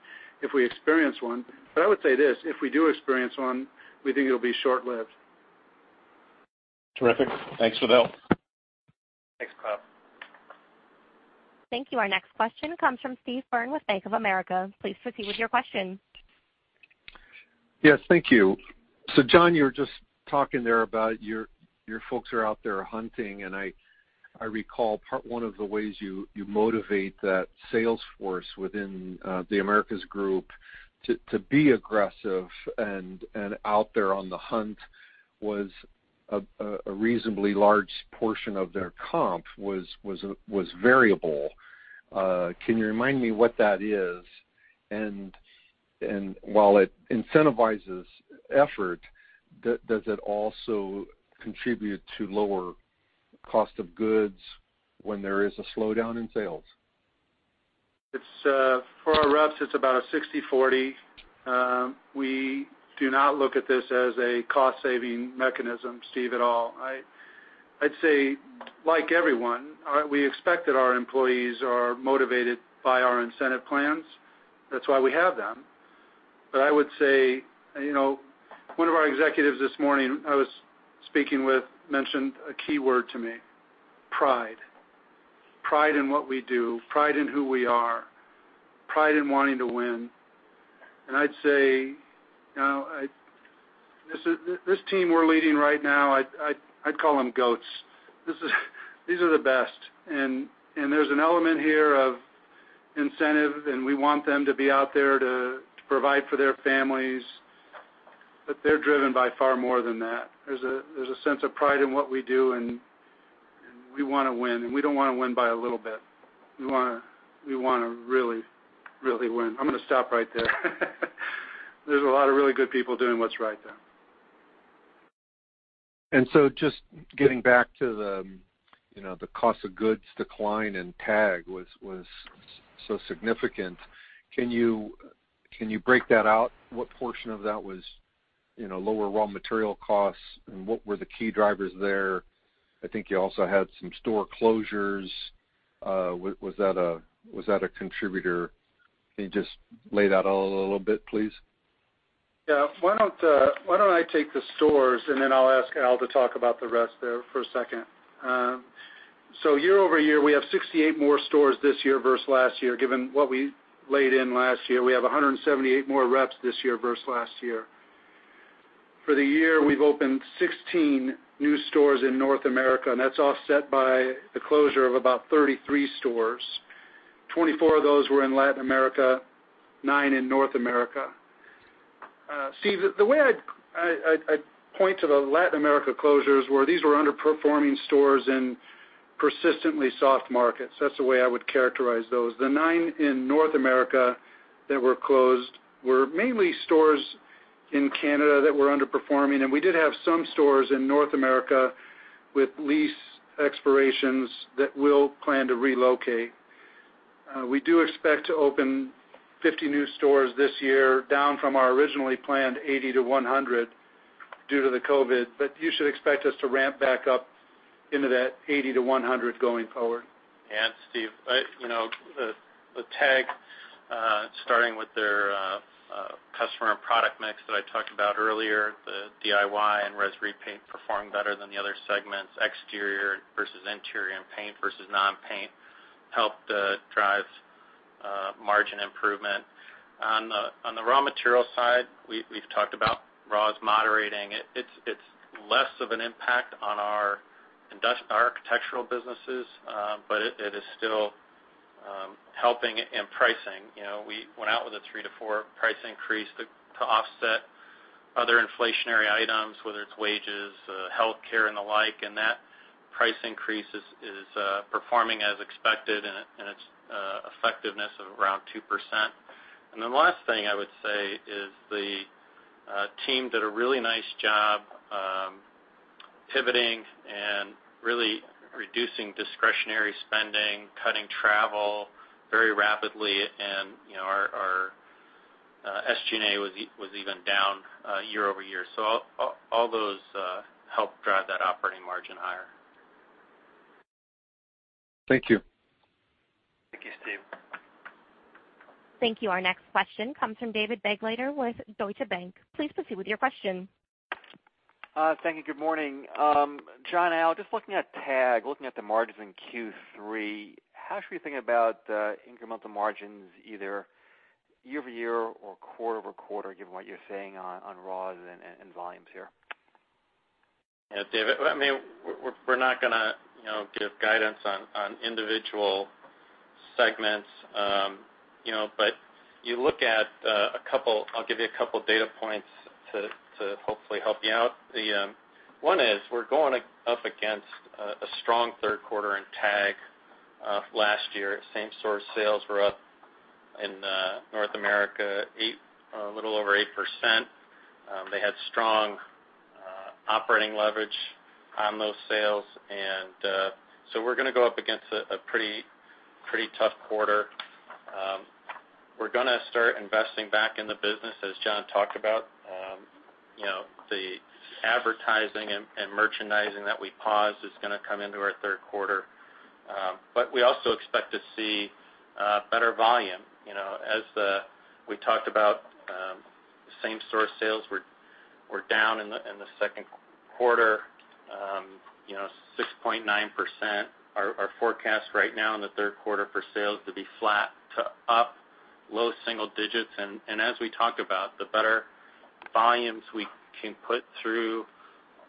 experience one. I would say this, if we do experience one, we think it'll be short-lived. Terrific. Thanks for the help. Thanks, Bob. Thank you. Our next question comes from Steve Byrne with Bank of America. Please proceed with your question. Yes, thank you. John, you were just talking there about your folks are out there hunting, and I recall part one of the ways you motivate that sales force within the Americas Group to be aggressive and out there on the hunt was a reasonably large portion of their comp was variable. Can you remind me what that is? While it incentivizes effort, does it also contribute to lower cost of goods when there is a slowdown in sales? For our reps, it's about a 60/40. We do not look at this as a cost-saving mechanism, Steve, at all. I'd say, like everyone, we expect that our employees are motivated by our incentive plans. That's why we have them. I would say, one of our executives this morning I was speaking with mentioned a key word to me, pride. Pride in what we do, pride in who we are, pride in wanting to win. I'd say, this team we're leading right now, I'd call them GOATs. These are the best. There's an element here of incentive, and we want them to be out there to provide for their families. They're driven by far more than that. There's a sense of pride in what we do, and we want to win, and we don't want to win by a little bit. We want to really win. I'm going to stop right there. There's a lot of really good people doing what's right there. Just getting back to the cost of goods decline and TAG was so significant. Can you break that out? What portion of that was lower raw material costs, and what were the key drivers there? I think you also had some store closures. Was that a contributor? Can you just lay that all out a little bit, please? Yeah. Why don't I take the stores, and then I'll ask Al to talk about the rest there for a second. Year-over-year, we have 68 more stores this year versus last year. Given what we laid in last year, we have 178 more reps this year versus last year. For the year, we've opened 16 new stores in North America, and that's offset by the closure of about 33 stores. 24 of those were in Latin America, nine in North America. Steve, the way I'd point to the Latin America closures were these were underperforming stores in persistently soft markets. That's the way I would characterize those. The nine in North America that were closed were mainly stores in Canada that were underperforming, and we did have some stores in North America with lease expirations that we'll plan to relocate. We do expect to open 50 new stores this year, down from our originally planned 80-100 due to the COVID, but you should expect us to ramp back up into that 80-100 going forward. Yeah. Steve, the TAG, starting with their customer and product mix that I talked about earlier, the DIY and res repaint performed better than the other segments. Exterior versus interior and paint versus non-paint helped drive margin improvement. On the raw material side, we've talked about raws moderating. It's less of an impact on our architectural businesses, but it is still helping in pricing. We went out with a three to four price increase to offset other inflationary items, whether it's wages, healthcare, and the like, and that price increase is performing as expected in its effectiveness of around 2%. The last thing I would say is the team did a really nice job pivoting and really reducing discretionary spending, cutting travel very rapidly, and our SG&A was even down year-over-year. All those helped drive that operating margin higher. Thank you. Thank you, Steve. Thank you. Our next question comes from David Begleiter with Deutsche Bank. Please proceed with your question. Thank you. Good morning. John, Al, just looking at TAG, looking at the margins in Q3, how should we think about incremental margins either year-over-year or quarter-over-quarter, given what you're saying on raws and volumes here? Yeah, David, we're not going to give guidance on individual segments. You look at, I'll give you a couple data points to hopefully help you out. One is we're going up against a strong third quarter in TAG last year. Same store sales were up in North America a little over 8%. They had strong operating leverage on those sales. We're going to go up against a pretty tough quarter. We're going to start investing back in the business, as John talked about. The advertising and merchandising that we paused is going to come into our third quarter. We also expect to see better volume. As we talked about, same store sales were down in the second quarter 6.9%. Our forecast right now in the third quarter for sales to be flat to up low single digits. As we talked about, the better volumes we can put through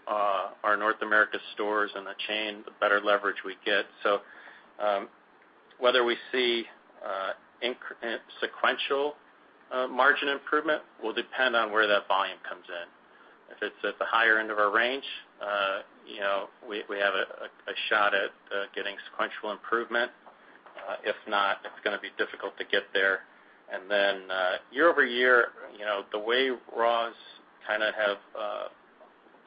our North America stores and the chain, the better leverage we get. Whether we see sequential margin improvement will depend on where that volume comes in. If it's at the higher end of our range, we have a shot at getting sequential improvement. If not, it's going to be difficult to get there. Then year-over-year, the way raws kind of have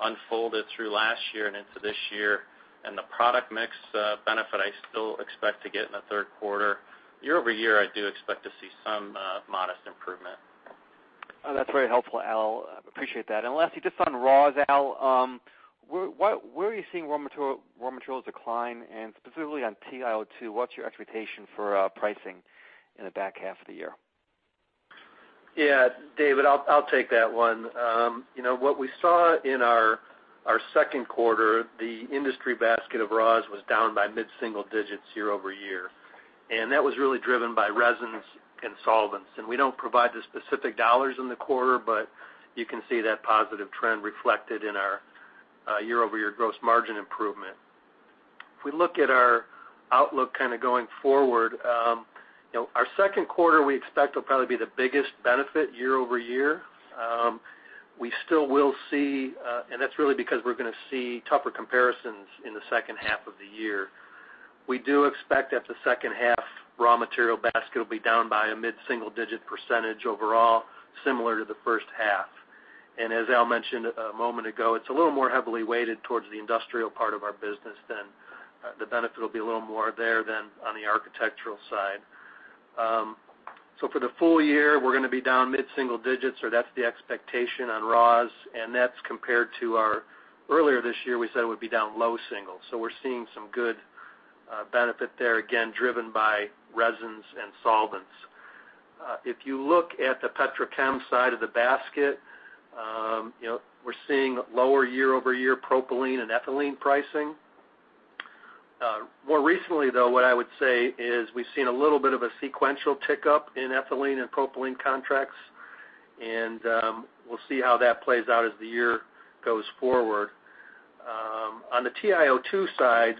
unfolded through last year and into this year, and the product mix benefit I still expect to get in the third quarter, year-over-year, I do expect to see some modest improvement. That's very helpful, Al. Appreciate that. Lastly, just on raws, Al, where are you seeing raw materials decline, and specifically on TiO2, what's your expectation for pricing in the back half of the year? Yeah, David, I'll take that one. What we saw in our second quarter, the industry basket of raws was down by mid-single digits year-over-year. That was really driven by resins and solvents. We don't provide the specific dollars in the quarter, but you can see that positive trend reflected in our year-over-year gross margin improvement. If we look at our outlook kind of going forward, our second quarter we expect will probably be the biggest benefit year-over-year. That's really because we're going to see tougher comparisons in the second half of the year. We do expect that the second half raw material basket will be down by a mid-single digit percentage overall, similar to the first half. As Al mentioned a moment ago, it's a little more heavily weighted towards the industrial part of our business, then the benefit will be a little more there than on the architectural side. For the full year, we're going to be down mid-single digits, or that's the expectation on raws, and that's compared to our earlier this year, we said it would be down low single. We're seeing some good benefit there, again, driven by resins and solvents. If you look at the petrochem side of the basket, we're seeing lower year-over-year propylene and ethylene pricing More recently, though, what I would say is we've seen a little bit of a sequential tick-up in ethylene and propylene contracts, and we'll see how that plays out as the year goes forward. On the TiO2 side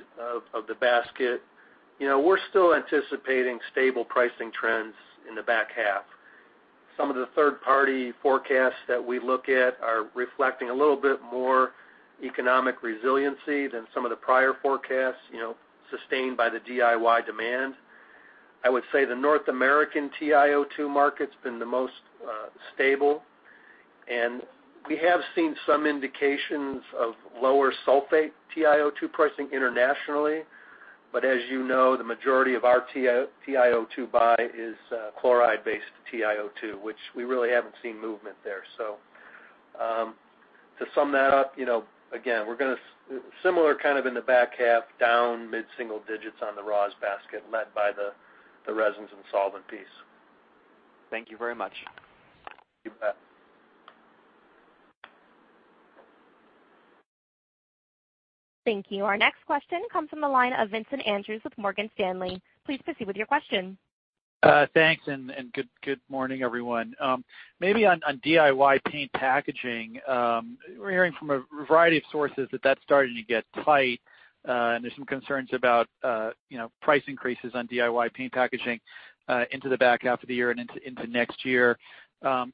of the basket, we're still anticipating stable pricing trends in the back half. Some of the third-party forecasts that we look at are reflecting a little bit more economic resiliency than some of the prior forecasts sustained by the DIY demand. I would say the North American TiO2 market's been the most stable, and we have seen some indications of lower sulfate TiO2 pricing internationally. As you know, the majority of our TiO2 buy is chloride-based TiO2, which we really haven't seen movement there. To sum that up, again, we're going to similar kind of in the back half, down mid-single digits on the raws basket, led by the resins and solvent piece. Thank you very much. You bet. Thank you. Our next question comes from the line of Vincent Andrews with Morgan Stanley. Please proceed with your question. Thanks. Good morning, everyone. Maybe on DIY paint packaging, we're hearing from a variety of sources that that's starting to get tight, and there's some concerns about price increases on DIY paint packaging into the back half of the year and into next year.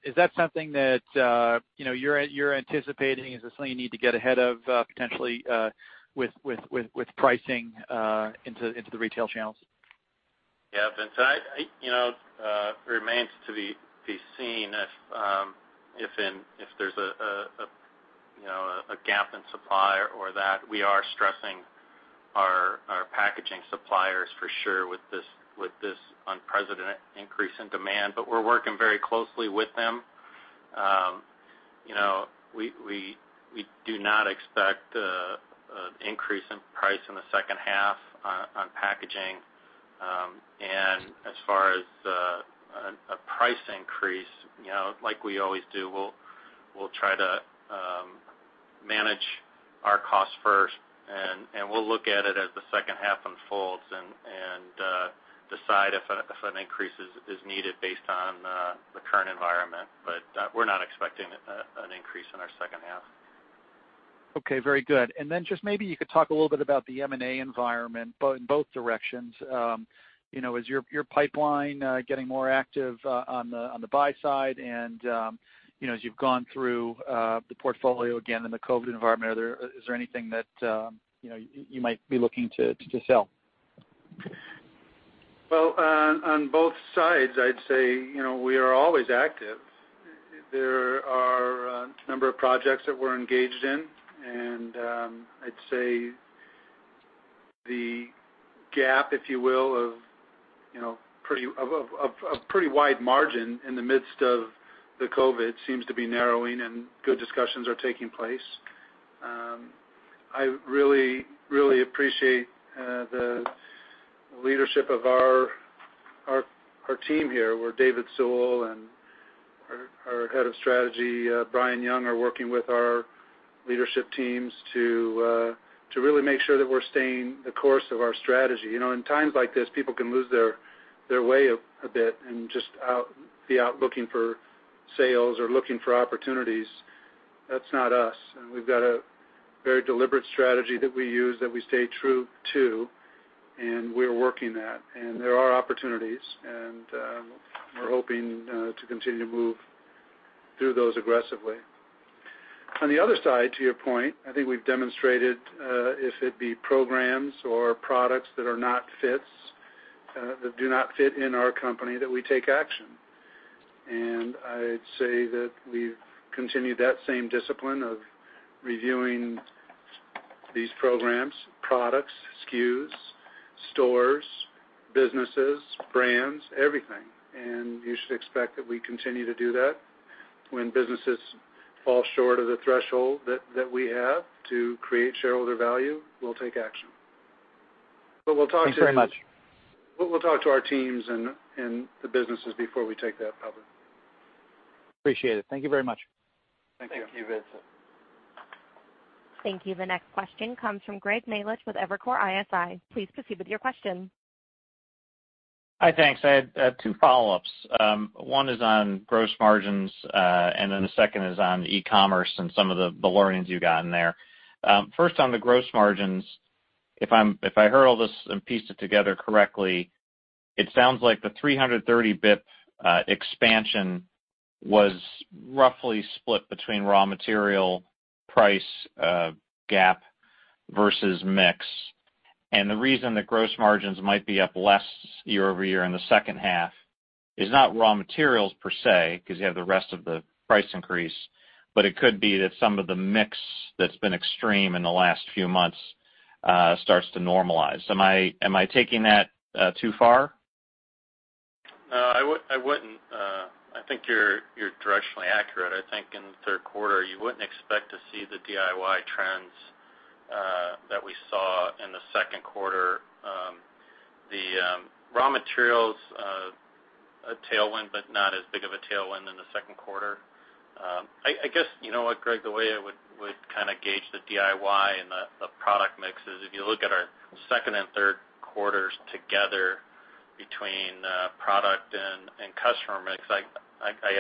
Is that something that you're anticipating? Is this something you need to get ahead of, potentially, with pricing into the retail channels? Vincent, it remains to be seen if there's a gap in supply or that we are stressing our packaging suppliers, for sure, with this unprecedented increase in demand. We're working very closely with them. We do not expect an increase in price in the second half on packaging. As far as a price increase, like we always do, we'll try to manage our costs first, and we'll look at it as the second half unfolds and decide if an increase is needed based on the current environment. We're not expecting an increase in our second half. Okay, very good. Just maybe you could talk a little bit about the M&A environment in both directions. Is your pipeline getting more active on the buy side? As you've gone through the portfolio again in the COVID environment, is there anything that you might be looking to sell? Well, on both sides, I'd say we are always active. There are a number of projects that we're engaged in, and I'd say the gap, if you will, of a pretty wide margin in the midst of the COVID seems to be narrowing, and good discussions are taking place. I really, really appreciate the leadership of our team here, where David Sewell and our Head of Strategy, Bryan Young, are working with our leadership teams to really make sure that we're staying the course of our strategy. In times like this, people can lose their way a bit and just be out looking for sales or looking for opportunities. That's not us. We've got a very deliberate strategy that we use, that we stay true to, and we're working that. There are opportunities, and we're hoping to continue to move through those aggressively. On the other side, to your point, I think we've demonstrated, if it be programs or products that are not fits, that do not fit in our company, that we take action. I'd say that we've continued that same discipline of reviewing these programs, products, SKUs, stores, businesses, brands, everything. You should expect that we continue to do that. When businesses fall short of the threshold that we have to create shareholder value, we'll take action. We'll talk to- Thanks very much. We'll talk to our teams and the businesses before we take that public. Appreciate it. Thank you very much. Thank you. Thank you, Vincent. Thank you. The next question comes from Greg Melich with Evercore ISI. Please proceed with your question. Hi, thanks. I have two follow-ups. One is on gross margins, then the second is on e-commerce and some of the learnings you got in there. First, on the gross margins, if I heard all this and pieced it together correctly, it sounds like the 330 basis points expansion was roughly split between raw material price gap versus mix. The reason that gross margins might be up less year-over-year in the second half is not raw materials per se, because you have the rest of the price increase, but it could be that some of the mix that's been extreme in the last few months starts to normalize. Am I taking that too far? No, I wouldn't. I think you're directionally accurate. I think in the third quarter, you wouldn't expect to see the DIY trends that we saw in the second quarter. Raw materials, a tailwind, but not as big of a tailwind in the second quarter. I guess, you know what, Greg, the way I would gauge the DIY and the product mix is if you look at our second and third quarters together between product and customer mix, I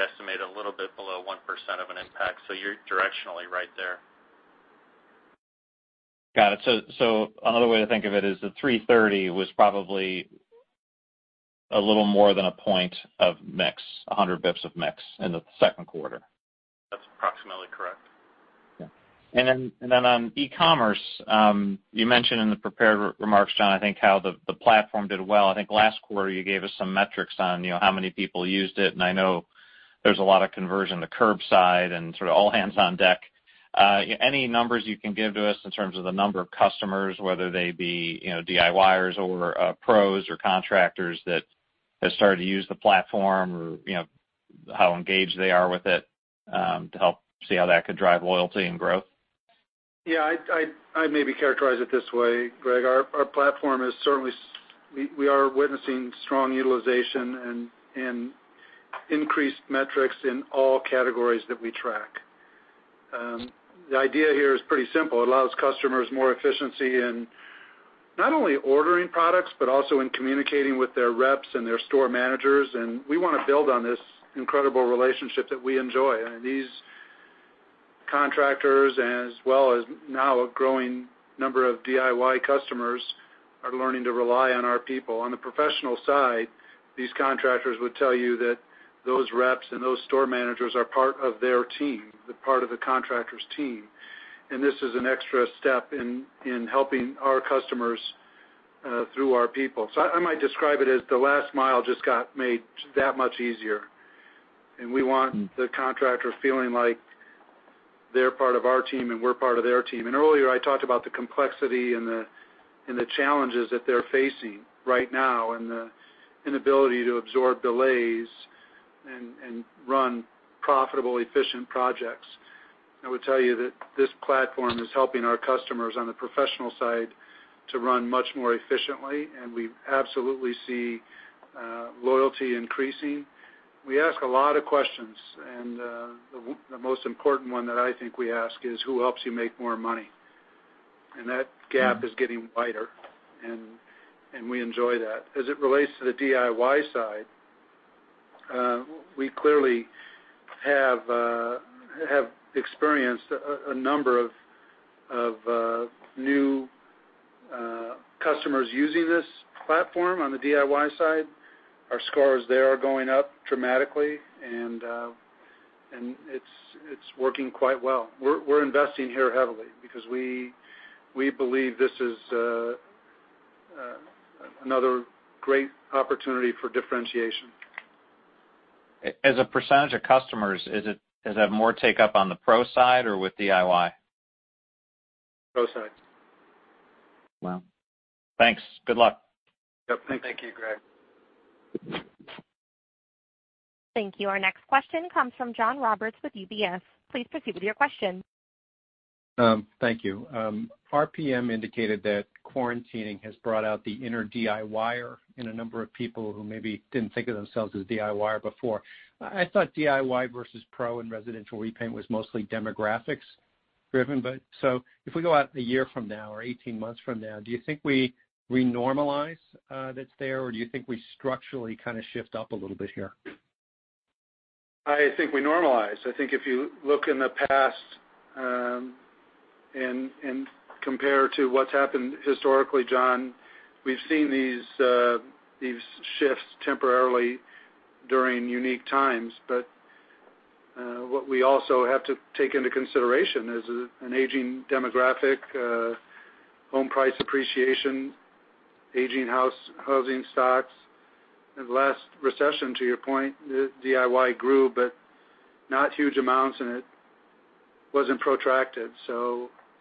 estimate a little bit below 1% of an impact. You're directionally right there. Got it. Another way to think of it is the 330 was probably a little more than a point of mix, 100 basis points of mix in the second quarter. That's approximately correct. On e-commerce, you mentioned in the prepared remarks, John, I think how the platform did well. I think last quarter you gave us some metrics on how many people used it, and I know there's a lot of conversion to curbside and sort of all hands on deck. Any numbers you can give to us in terms of the number of customers, whether they be DIYers or pros or contractors that have started to use the platform, or how engaged they are with it, to help see how that could drive loyalty and growth? Yeah, I'd maybe characterize it this way, Greg. Our platform We are witnessing strong utilization and increased metrics in all categories that we track. The idea here is pretty simple. It allows customers more efficiency in not only ordering products, but also in communicating with their reps and their store managers. We want to build on this incredible relationship that we enjoy. These contractors, as well as now a growing number of DIY customers, are learning to rely on our people. On the professional side, these contractors would tell you that those reps and those store managers are part of their team, they're part of the contractor's team, and this is an extra step in helping our customers through our people. I might describe it as the last mile just got made that much easier, and we want the contractor feeling like they're part of our team and we're part of their team. Earlier, I talked about the complexity and the challenges that they're facing right now, and the inability to absorb delays and run profitable, efficient projects. I would tell you that this platform is helping our customers on the professional side to run much more efficiently, and we absolutely see loyalty increasing. We ask a lot of questions, and the most important one that I think we ask is, who helps you make more money? That gap is getting wider, and we enjoy that. As it relates to the DIY side, we clearly have experienced a number of new customers using this platform on the DIY side. Our scores there are going up dramatically, and it's working quite well. We're investing here heavily because we believe this is another great opportunity for differentiation. As a percentage of customers, does that more take up on the pro side or with DIY? Pro side. Wow. Thanks. Good luck. Yep. Thank you. Thank you, Greg. Thank you. Our next question comes from John Roberts with UBS. Please proceed with your question. Thank you. RPM indicated that quarantining has brought out the inner DIYer in a number of people who maybe didn't think of themselves as a DIYer before. I thought DIY versus pro in residential repaint was mostly demographics driven. If we go out a year from now or 18 months from now, do you think we normalize that share, or do you think we structurally kind of shift up a little bit here? I think we normalize. I think if you look in the past, and compare to what's happened historically, John, we've seen these shifts temporarily during unique times. What we also have to take into consideration is an aging demographic, home price appreciation, aging house, housing stocks. In the last recession, to your point, DIY grew, but not huge amounts, and it wasn't protracted.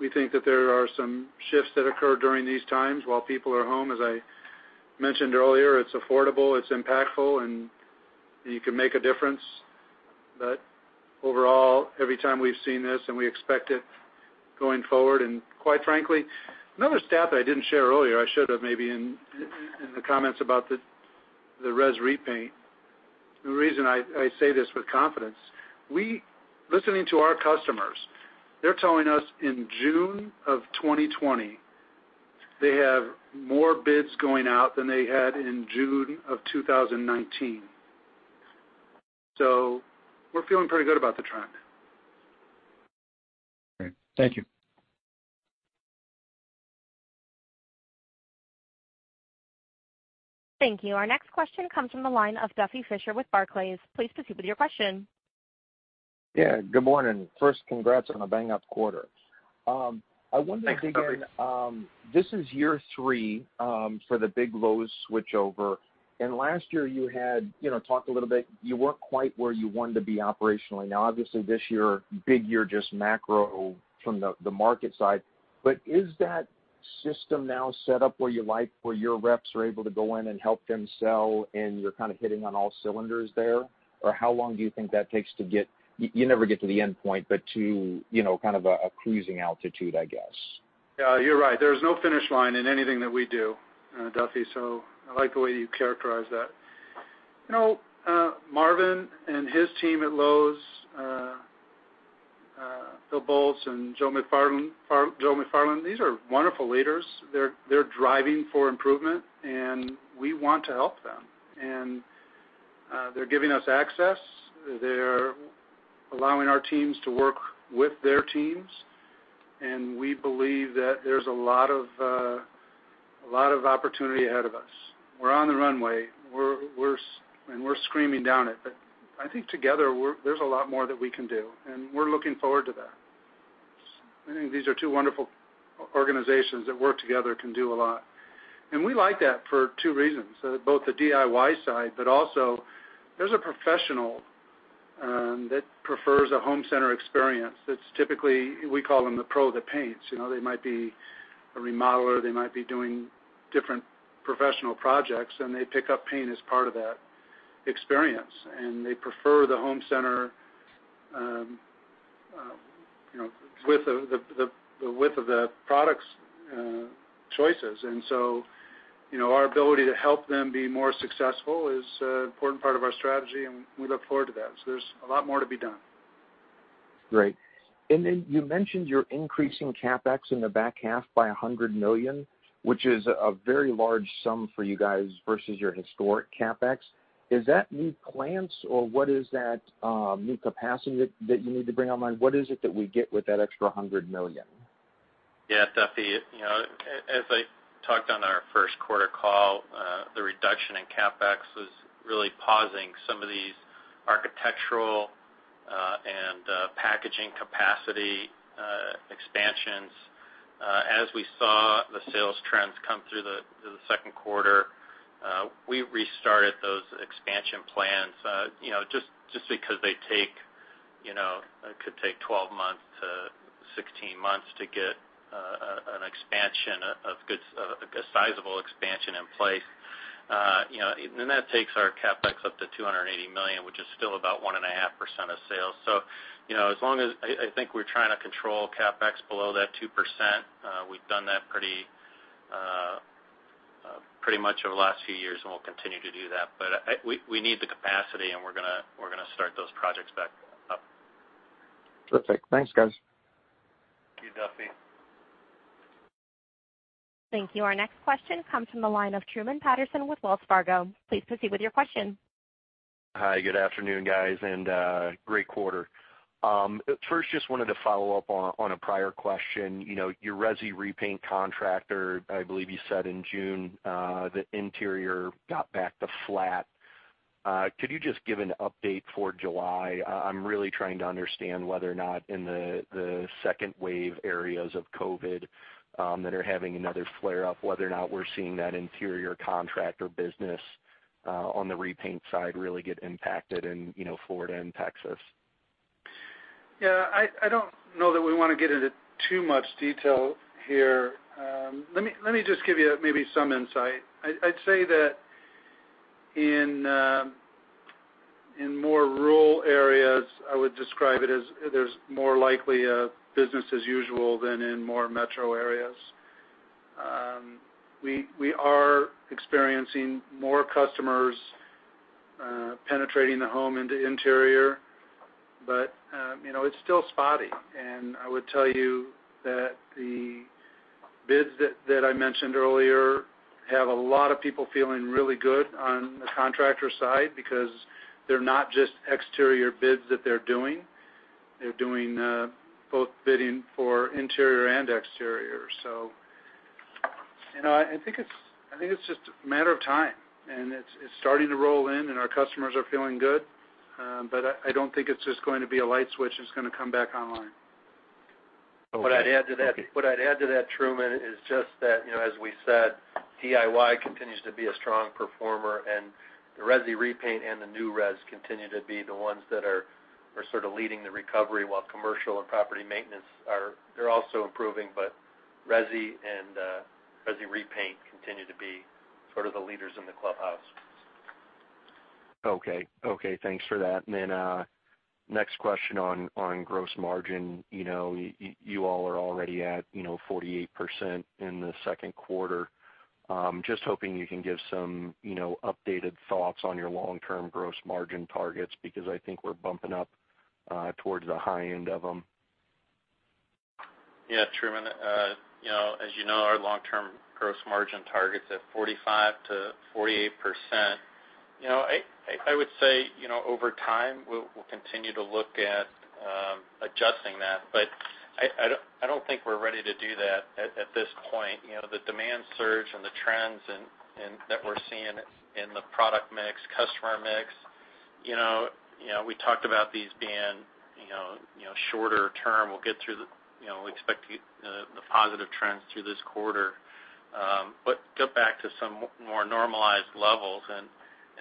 We think that there are some shifts that occur during these times while people are home. As I mentioned earlier, it's affordable, it's impactful, and you can make a difference. Overall, every time we've seen this, and we expect it going forward. Quite frankly, another stat that I didn't share earlier, I should have maybe in the comments about the res repaint. The reason I say this with confidence, listening to our customers, they're telling us in June of 2020, they have more bids going out than they had in June of 2019. We're feeling pretty good about the trend. Great. Thank you. Thank you. Our next question comes from the line of Duffy Fischer with Barclays. Please proceed with your question. Yeah. Good morning. First, congrats on a bang-up quarter. Thanks, Duffy. I wonder to begin, this is year three for the big Lowe's switchover, and last year you had talked a little bit, you weren't quite where you wanted to be operationally. Now obviously this year, big year just macro from the market side. Is that system now set up where you like, where your reps are able to go in and help them sell, and you're kind of hitting on all cylinders there? How long do you think that takes to get, you never get to the endpoint, but to kind of a cruising altitude, I guess? Yeah, you're right. There's no finish line in anything that we do, Duffy. I like the way you characterize that. Marvin and his team at Lowe's, Bill Boltz and Joe McFarland, these are wonderful leaders. They're driving for improvement, and we want to help them. They're giving us access. They're allowing our teams to work with their teams, and we believe that there's a lot of opportunity ahead of us. We're on the runway. We're screaming down it. I think together, there's a lot more that we can do, and we're looking forward to that. I think these are two wonderful organizations that work together can do a lot. We like that for two reasons, both the DIY side, but also there's a professional that prefers a home center experience that's typically, we call them the pro that paints. They might be a remodeler, they might be doing different professional projects, and they pick up paint as part of that experience, and they prefer the home center, the width of the products choices. Our ability to help them be more successful is an important part of our strategy, and we look forward to that. There's a lot more to be done. Great. Then you mentioned you're increasing CapEx in the back half by $100 million, which is a very large sum for you guys versus your historic CapEx. Is that new plants or what is that new capacity that you need to bring online? What is it that we get with that extra $100 million? Yeah, Duffy, as I talked on our first quarter call, the reduction in CapEx was really pausing some of these architectural and packaging capacity expansions. As we saw the sales trends come through the second quarter, we restarted those expansion plans, just because it could take 12 months to 16 months to get a sizable expansion in place. That takes our CapEx up to $280 million, which is still about 1.5% of sales. I think we're trying to control CapEx below that 2%. We've done that pretty much over the last few years, and we'll continue to do that. We need the capacity, and we're going to start those projects back up. Perfect. Thanks, guys. Thank you, Duffy. Thank you. Our next question comes from the line of Truman Patterson with Wells Fargo. Please proceed with your question. Hi, good afternoon, guys, and great quarter. First, just wanted to follow up on a prior question. Your resi repaint contractor, I believe you said in June, the interior got back to flat. Could you just give an update for July? I'm really trying to understand whether or not in the second wave areas of COVID-19 that are having another flare up, whether or not we're seeing that interior contractor business on the repaint side really get impacted in Florida and Texas. Yeah, I don't know that we want to get into too much detail here. Let me just give you maybe some insight. I'd say that in more rural areas, I would describe it as there's more likely a business as usual than in more metro areas. We are experiencing more customers penetrating the home into interior. It's still spotty. I would tell you that the bids that I mentioned earlier have a lot of people feeling really good on the contractor side because they're not just exterior bids that they're doing. They're doing both bidding for interior and exterior. I think it's just a matter of time, and it's starting to roll in and our customers are feeling good. I don't think it's just going to be a light switch that's going to come back online. What I'd add to that, Truman, is just that, as we said, DIY continues to be a strong performer, the resi repaint and the new res continue to be the ones that are sort of leading the recovery while commercial and property maintenance are also improving. Resi and resi repaint continue to be sort of the leaders in the clubhouse. Okay. Thanks for that. Next question on gross margin. You all are already at 48% in the second quarter. Just hoping you can give some updated thoughts on your long-term gross margin targets, because I think we're bumping up towards the high end of them. Yeah, Truman, as you know, our long-term gross margin targets at 45%-48%. I would say, over time, we'll continue to look at adjusting that. I don't think we're ready to do that at this point. The demand surge and the trends that we're seeing in the product mix, customer mix, we talked about these being shorter term. We expect the positive trends through this quarter. Get back to some more normalized levels, and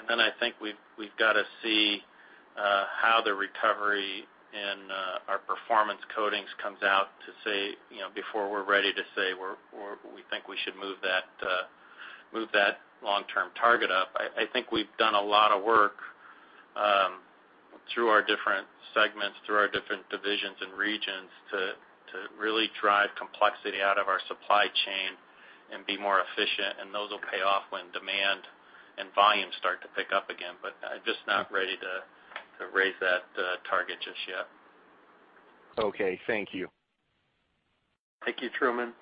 then I think we've got to see how the recovery in our performance coatings comes out before we're ready to say We think we should move that long-term target up. I think we've done a lot of work through our different segments, through our different divisions and regions to really drive complexity out of our supply chain and be more efficient, and those will pay off when demand and volume start to pick up again. I'm just not ready to raise that target just yet. Okay, thank you. Thank you, Truman.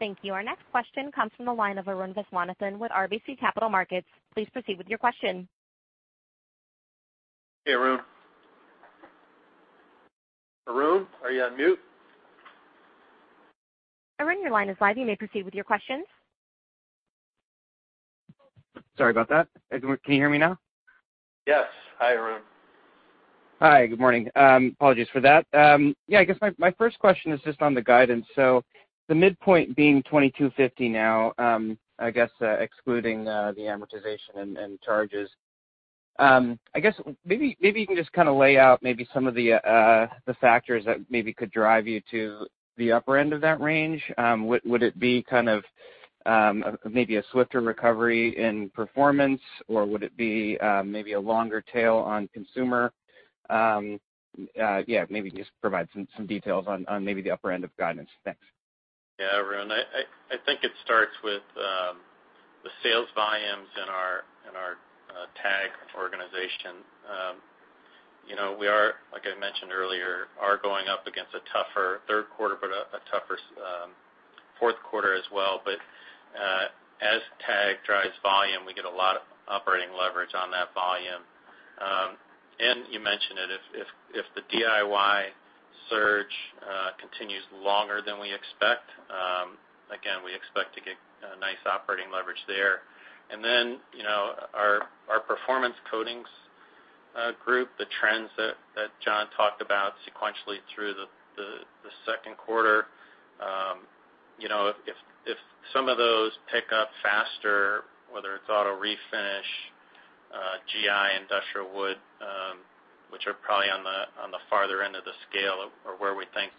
Thank you. Our next question comes from the line of Arun Viswanathan with RBC Capital Markets. Please proceed with your question. Hey, Arun. Arun, are you on mute? Arun, your line is live. You may proceed with your questions. Sorry about that. Can you hear me now? Yes. Hi, Arun. Hi, good morning. Apologies for that. I guess my first question is just on the guidance. The midpoint being $22.50 now, I guess, excluding the amortization and charges. I guess maybe you can just lay out some of the factors that could drive you to the upper end of that range. Would it be maybe a swifter recovery in performance, or would it be maybe a longer tail on consumer? Maybe just provide some details on maybe the upper end of guidance. Thanks. Yeah, Arun. I think it starts with the sales volumes in our TAG organization. We are, like I mentioned earlier, going up against a tougher third quarter, but a tougher fourth quarter as well. As TAG drives volume, we get a lot of operating leverage on that volume. You mentioned it, if the DIY surge continues longer than we expect, again, we expect to get a nice operating leverage there. Our Performance Coatings Group, the trends that John talked about sequentially through the second quarter. If some of those pick up faster, whether it's auto refinish, GI, industrial wood, which are probably on the farther end of the scale or where we think.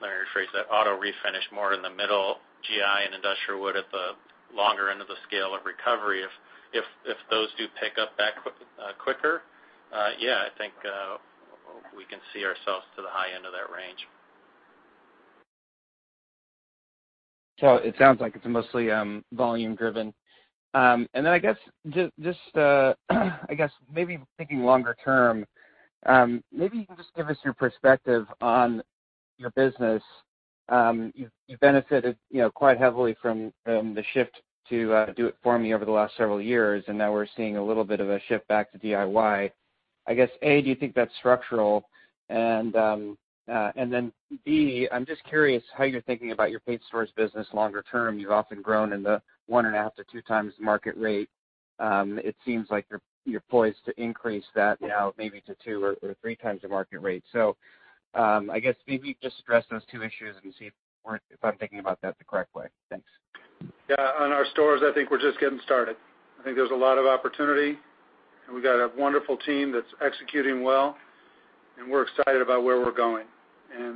Let me rephrase that. Auto refinish more in the middle, GI and industrial wood at the longer end of the scale of recovery. If those do pick up quicker, yeah, I think, we can see ourselves to the high end of that range. It sounds like it's mostly volume driven. I guess maybe thinking longer term, maybe you can just give us your perspective on your business. You've benefited quite heavily from the shift to Do It For Me over the last several years, and now we're seeing a little bit of a shift back to DIY. I guess, A, do you think that's structural? B, I'm just curious how you're thinking about your paint stores business longer term. You've often grown in the one and a half to two times market rate. It seems like you're poised to increase that now maybe to two or three times the market rate. I guess maybe just address those two issues and see if I'm thinking about that the correct way. Thanks. Yeah. On our stores, I think we're just getting started. I think there's a lot of opportunity, and we've got a wonderful team that's executing well, and we're excited about where we're going.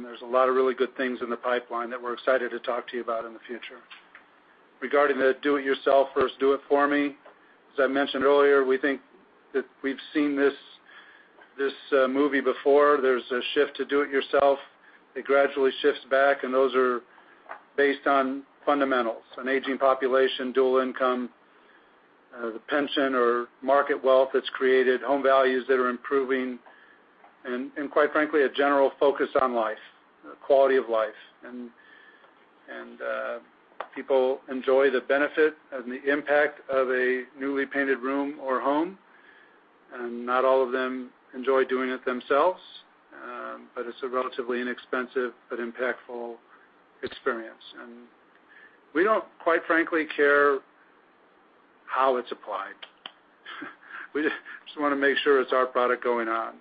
There's a lot of really good things in the pipeline that we're excited to talk to you about in the future. Regarding the Do It Yourself versus Do It For Me, as I mentioned earlier, we think that we've seen this movie before. There's a shift to Do It Yourself. It gradually shifts back, and those are based on fundamentals, an aging population, dual income, the pension or market wealth that's created, home values that's improving, and quite frankly, a general focus on life, quality of life. People enjoy the benefit and the impact of a newly painted room or home, and not all of them enjoy doing it themselves. It's a relatively inexpensive but impactful experience. We don't, quite frankly, care how it's applied. We just want to make sure it's our product going on.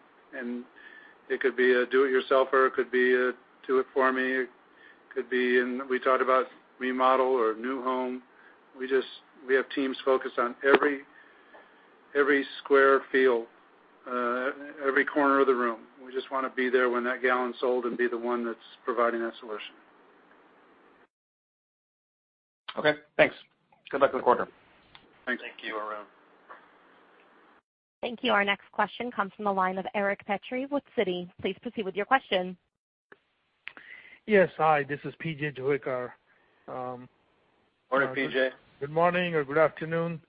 It could be a Do It Yourselfer, it could be a Do It For Me, it could be in, we talked about remodel or new home. We have teams focused on every square foot, every corner of the room. We just want to be there when that gallon's sold and be the one that's providing that solution. Okay, thanks. Good luck with the quarter. Thank you. Thank you, Arun. Thank you. Our next question comes from the line of Eric Petrie with Citi. Please proceed with your question. Yes. Hi, this is P.J. Morning, P.J. Good morning or good afternoon.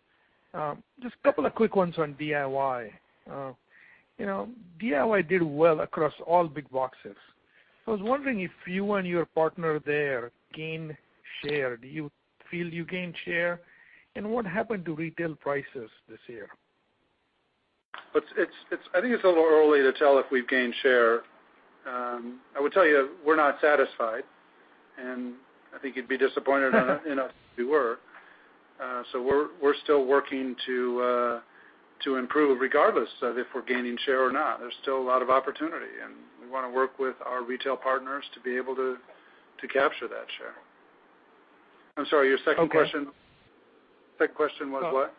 Just a couple of quick ones on DIY. DIY did well across all big boxes. I was wondering if you and your partner there gained share? Do you feel you gained share? What happened to retail prices this year? I think it's a little early to tell if we've gained share. I would tell you, we're not satisfied, and I think you'd be disappointed in us if we were. We're still working to improve, regardless of if we're gaining share or not. There's still a lot of opportunity, and we want to work with our retail partners to be able to capture that share. I'm sorry, your second question was what?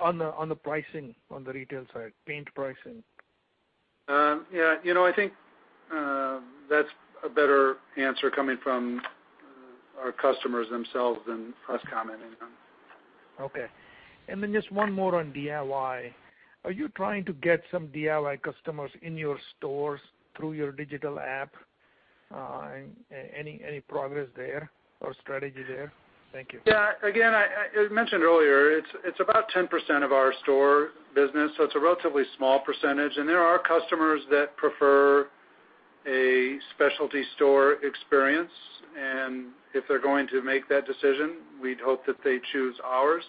On the pricing on the retail side, paint pricing. Yeah. I think that's a better answer coming from our customers themselves than us commenting on. Okay. Just one more on DIY. Are you trying to get some DIY customers in your stores through your digital app? Any progress there or strategy there? Thank you. Yeah. Again, as mentioned earlier, it's about 10% of our store business. It's a relatively small percentage. There are customers that prefer a specialty store experience. If they're going to make that decision, we'd hope that they choose ours.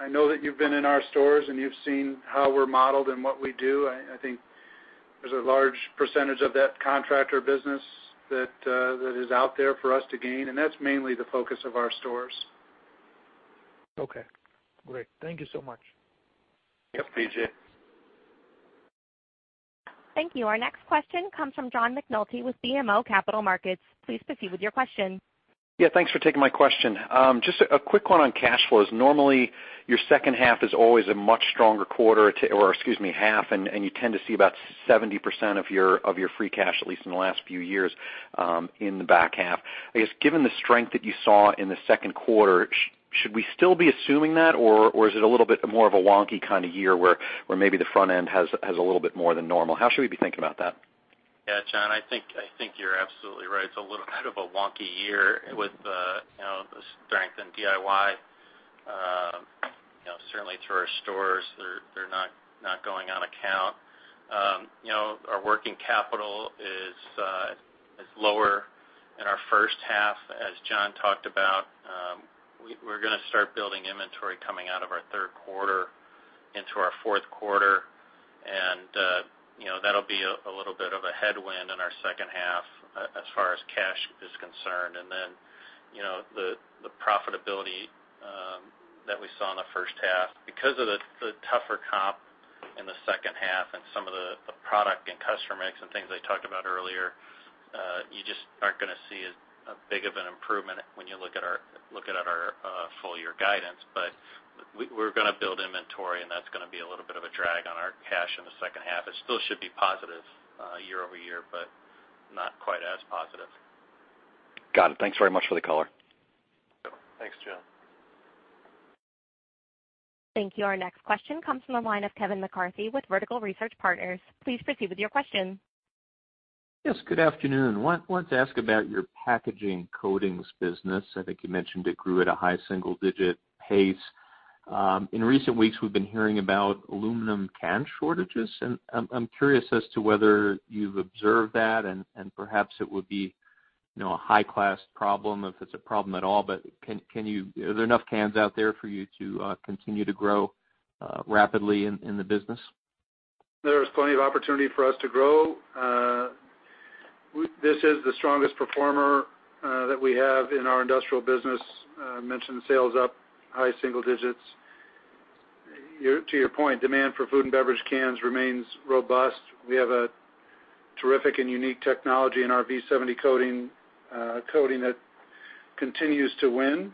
I know that you've been in our stores, and you've seen how we're modeled and what we do. I think there's a large percentage of that contractor business that is out there for us to gain. That's mainly the focus of our stores. Okay, great. Thank you so much. Yep. PJ. Thank you. Our next question comes from John McNulty with BMO Capital Markets. Please proceed with your question. Yeah, thanks for taking my question. Just a quick one on cash flows. Normally, your second half is always a much stronger quarter, or excuse me, half, and you tend to see about 70% of your free cash, at least in the last few years, in the back half. I guess, given the strength that you saw in the second quarter, should we still be assuming that, or is it a little bit more of a wonky kind of year where maybe the front end has a little bit more than normal? How should we be thinking about that? Yeah, John, I think you're absolutely right. It's a little bit of a wonky year with the strength in DIY. Certainly through our stores, they're not going on account. Our working capital is lower in our first half. As John talked about, we're going to start building inventory coming out of our third quarter into our fourth quarter, and that'll be a little bit of a headwind in our second half as far as cash is concerned. Then, the profitability that we saw in the first half, because of the tougher comp in the second half and some of the product and customer mix and things I talked about earlier, you just aren't going to see as big of an improvement when you look at our full-year guidance. We're going to build inventory, and that's going to be a little bit of a drag on our cash in the second half. It still should be positive year-over-year, but not quite as positive. Got it. Thanks very much for the color. Thanks, John. Thank you. Our next question comes from the line of Kevin McCarthy with Vertical Research Partners. Please proceed with your question. Yes, good afternoon. Wanted to ask about your packaging coatings business. I think you mentioned it grew at a high single-digit pace. In recent weeks, we've been hearing about aluminum can shortages, I'm curious as to whether you've observed that, and perhaps it would be a high-class problem if it's a problem at all. Are there enough cans out there for you to continue to grow rapidly in the business? There is plenty of opportunity for us to grow. This is the strongest performer that we have in our industrial business. Mentioned sales up high single digits. To your point, demand for food and beverage cans remains robust. We have a terrific and unique technology in our V70 coating that continues to win,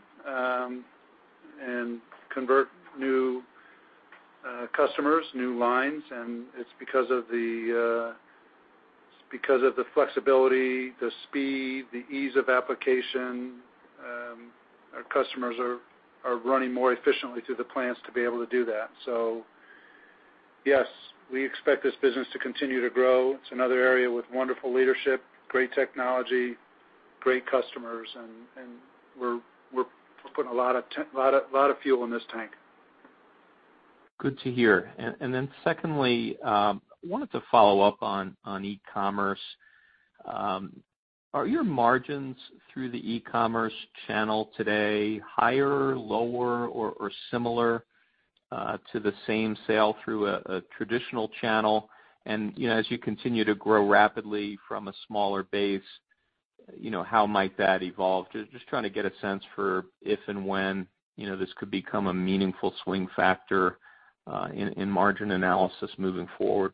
and convert new customers, new lines. It's because of the flexibility, the speed, the ease of application. Our customers are running more efficiently through the plants to be able to do that. Yes, we expect this business to continue to grow. It's another area with wonderful leadership, great technology, great customers, and we're putting a lot of fuel in this tank. Good to hear. Secondly, I wanted to follow up on e-commerce. Are your margins through the e-commerce channel today higher, lower, or similar to the same sale through a traditional channel? As you continue to grow rapidly from a smaller base, how might that evolve? I am just trying to get a sense for if and when this could become a meaningful swing factor in margin analysis moving forward.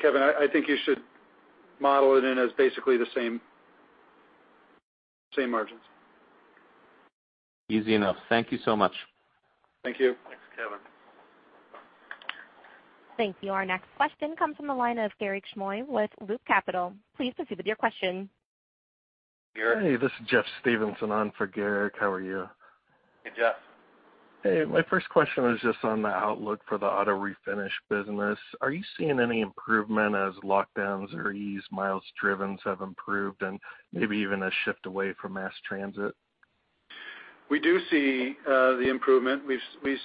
Kevin, I think you should model it in as basically the same margins. Easy enough. Thank you so much. Thank you. Thanks, Kevin. Thank you. Our next question comes from the line of Garik Shmois with Loop Capital. Please proceed with your question. Garrik. Hey, this is Jeff Stevenson on for Garrik. How are you? Hey, Jeff. Hey. My first question was just on the outlook for the auto refinish business. Are you seeing any improvement as lockdowns are eased, miles driven have improved, and maybe even a shift away from mass transit? We do see the improvement. We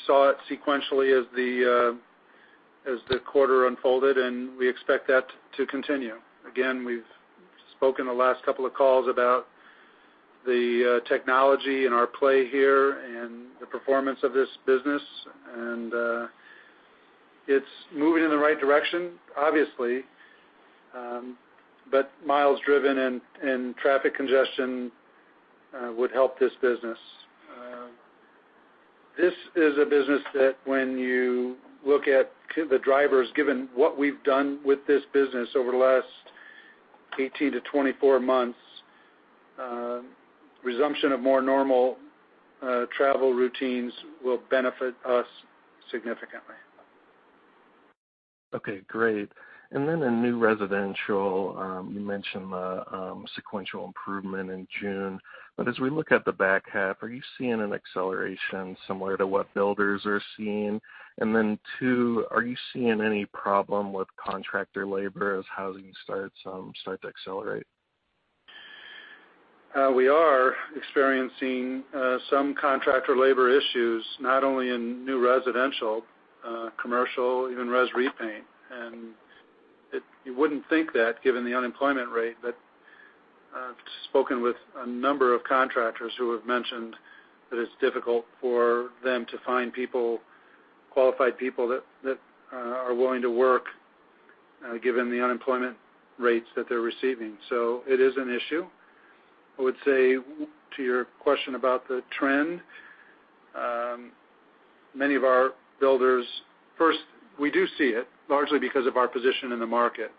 saw it sequentially as the quarter unfolded, and we expect that to continue. Again, we've spoken the last couple of calls about the technology and our play here and the performance of this business. It's moving in the right direction, obviously. Miles driven and traffic congestion would help this business. This is a business that when you look at the drivers, given what we've done with this business over the last 18 to 24 months, resumption of more normal travel routines will benefit us significantly. Okay, great. In new residential, you mentioned the sequential improvement in June. As we look at the back half, are you seeing an acceleration similar to what builders are seeing? Two, are you seeing any problem with contractor labor as housing starts start to accelerate? We are experiencing some contractor labor issues, not only in new residential, commercial, even res repaint. You wouldn't think that given the unemployment rate. I've spoken with a number of contractors who have mentioned that it's difficult for them to find people, qualified people that are willing to work given the unemployment rates that they're receiving. It is an issue. I would say, to your question about the trend, many of our builders. First, we do see it, largely because of our position in the market.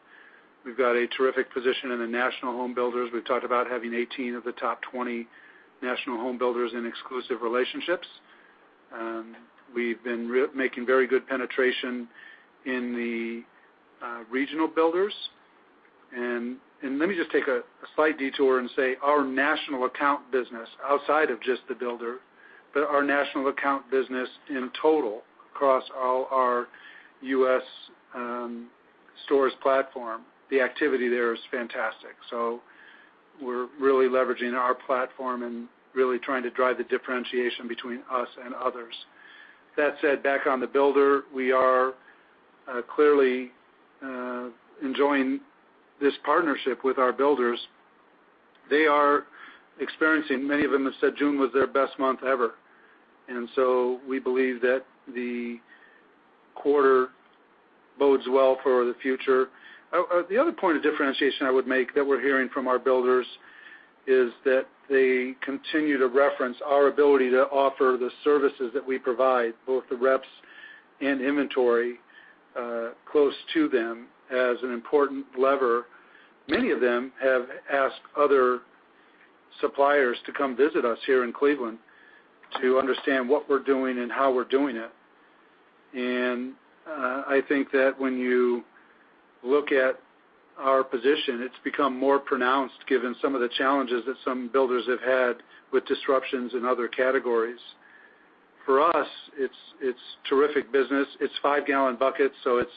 We've got a terrific position in the national home builders. We've talked about having 18 of the top 20 national home builders in exclusive relationships. We've been making very good penetration in the regional builders. Let me just take a slight detour and say our national account business outside of just the builder, but our national account business in total, across all our U.S. stores platform, the activity there is fantastic. We're really leveraging our platform and really trying to drive the differentiation between us and others. That said, back on the builder, we are clearly enjoying this partnership with our builders. They are experiencing, many of them have said June was their best month ever. We believe that the quarter bodes well for the future. The other point of differentiation I would make that we're hearing from our builders is that they continue to reference our ability to offer the services that we provide, both the reps and inventory, close to them as an important lever. Many of them have asked other suppliers to come visit us here in Cleveland to understand what we're doing and how we're doing it. I think that when you look at our position, it's become more pronounced given some of the challenges that some builders have had with disruptions in other categories. For us, it's terrific business. It's five-gallon buckets, so it's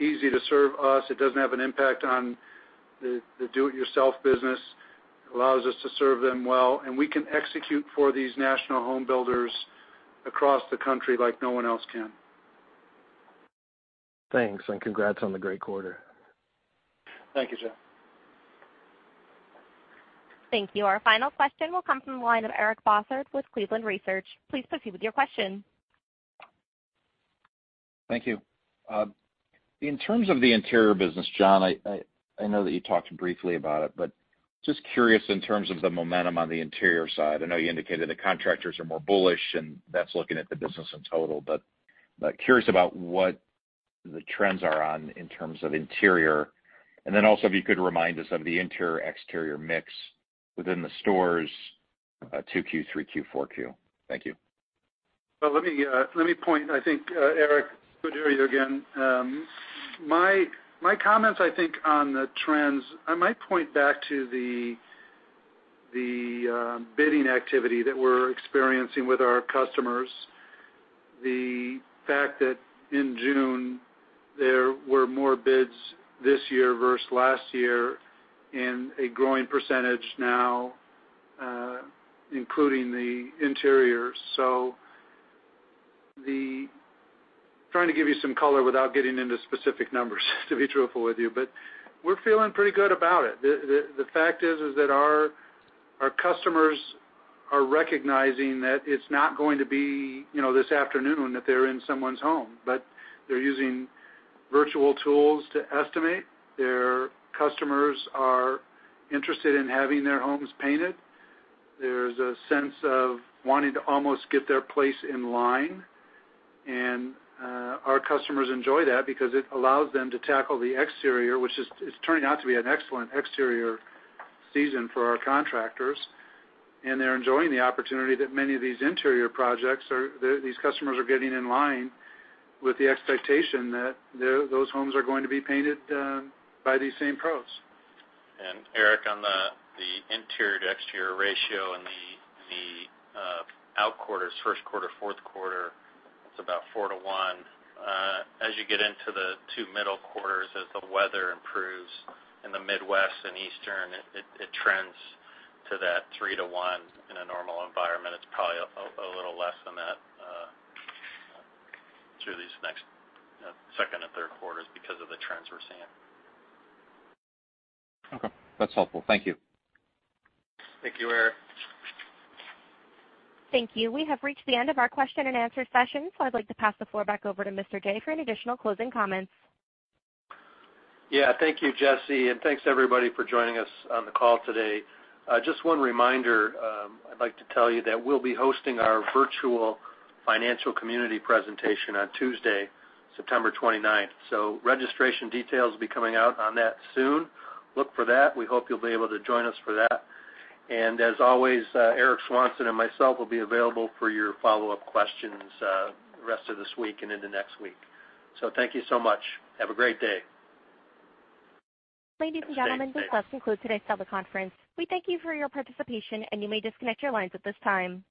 easy to serve us. It doesn't have an impact on the do-it-yourself business. It allows us to serve them well. We can execute for these national home builders across the country like no one else can. Thanks, and congrats on the great quarter. Thank you, Jeff. Thank you. Our final question will come from the line of Eric Bosshard with Cleveland Research. Please proceed with your question. Thank you. In terms of the interior business, John, I know that you talked briefly about it, but just curious in terms of the momentum on the interior side. I know you indicated the contractors are more bullish, that's looking at the business in total, curious about what the trends are in terms of interior. Also, if you could remind us of the interior-exterior mix within the stores, 2Q, 3Q, 4Q. Thank you. Well, let me point, I think, Eric, good to hear you again. My comments, I think, on the trends, I might point back to the bidding activity that we're experiencing with our customers. The fact that in June, there were more bids this year versus last year in a growing percentage now, including the interior. Trying to give you some color without getting into specific numbers, to be truthful with you. We're feeling pretty good about it. The fact is that our customers are recognizing that it's not going to be this afternoon that they're in someone's home. They're using virtual tools to estimate. Their customers are interested in having their homes painted. There's a sense of wanting to almost get their place in line. Our customers enjoy that because it allows them to tackle the exterior, which is turning out to be an excellent exterior season for our contractors. They're enjoying the opportunity that many of these interior projects, these customers are getting in line with the expectation that those homes are going to be painted by these same pros. Eric, on the interior to exterior ratio and the out quarters, first quarter, fourth quarter, it's about 4:1. As you get into the two middle quarters, as the weather improves in the Midwest and Eastern, it trends to that 3:1. In a normal environment, it's probably a little less than that through these next second and third quarters because of the trends we're seeing. Okay. That's helpful. Thank you. Thank you, Eric. Thank you. We have reached the end of our question and answer session, so I'd like to pass the floor back over to Mr. Jaye for any additional closing comments. Yeah. Thank you, Jesse. Thanks to everybody for joining us on the call today. Just one reminder, I'd like to tell you that we'll be hosting our virtual financial community presentation on Tuesday, September 29th. Registration details will be coming out on that soon. Look for that. We hope you'll be able to join us for that. As always, Eric Swanson and myself will be available for your follow-up questions the rest of this week and into next week. Thank you so much. Have a great day. Ladies and gentlemen. Have a safe day. This does conclude today's teleconference. We thank you for your participation. You may disconnect your lines at this time.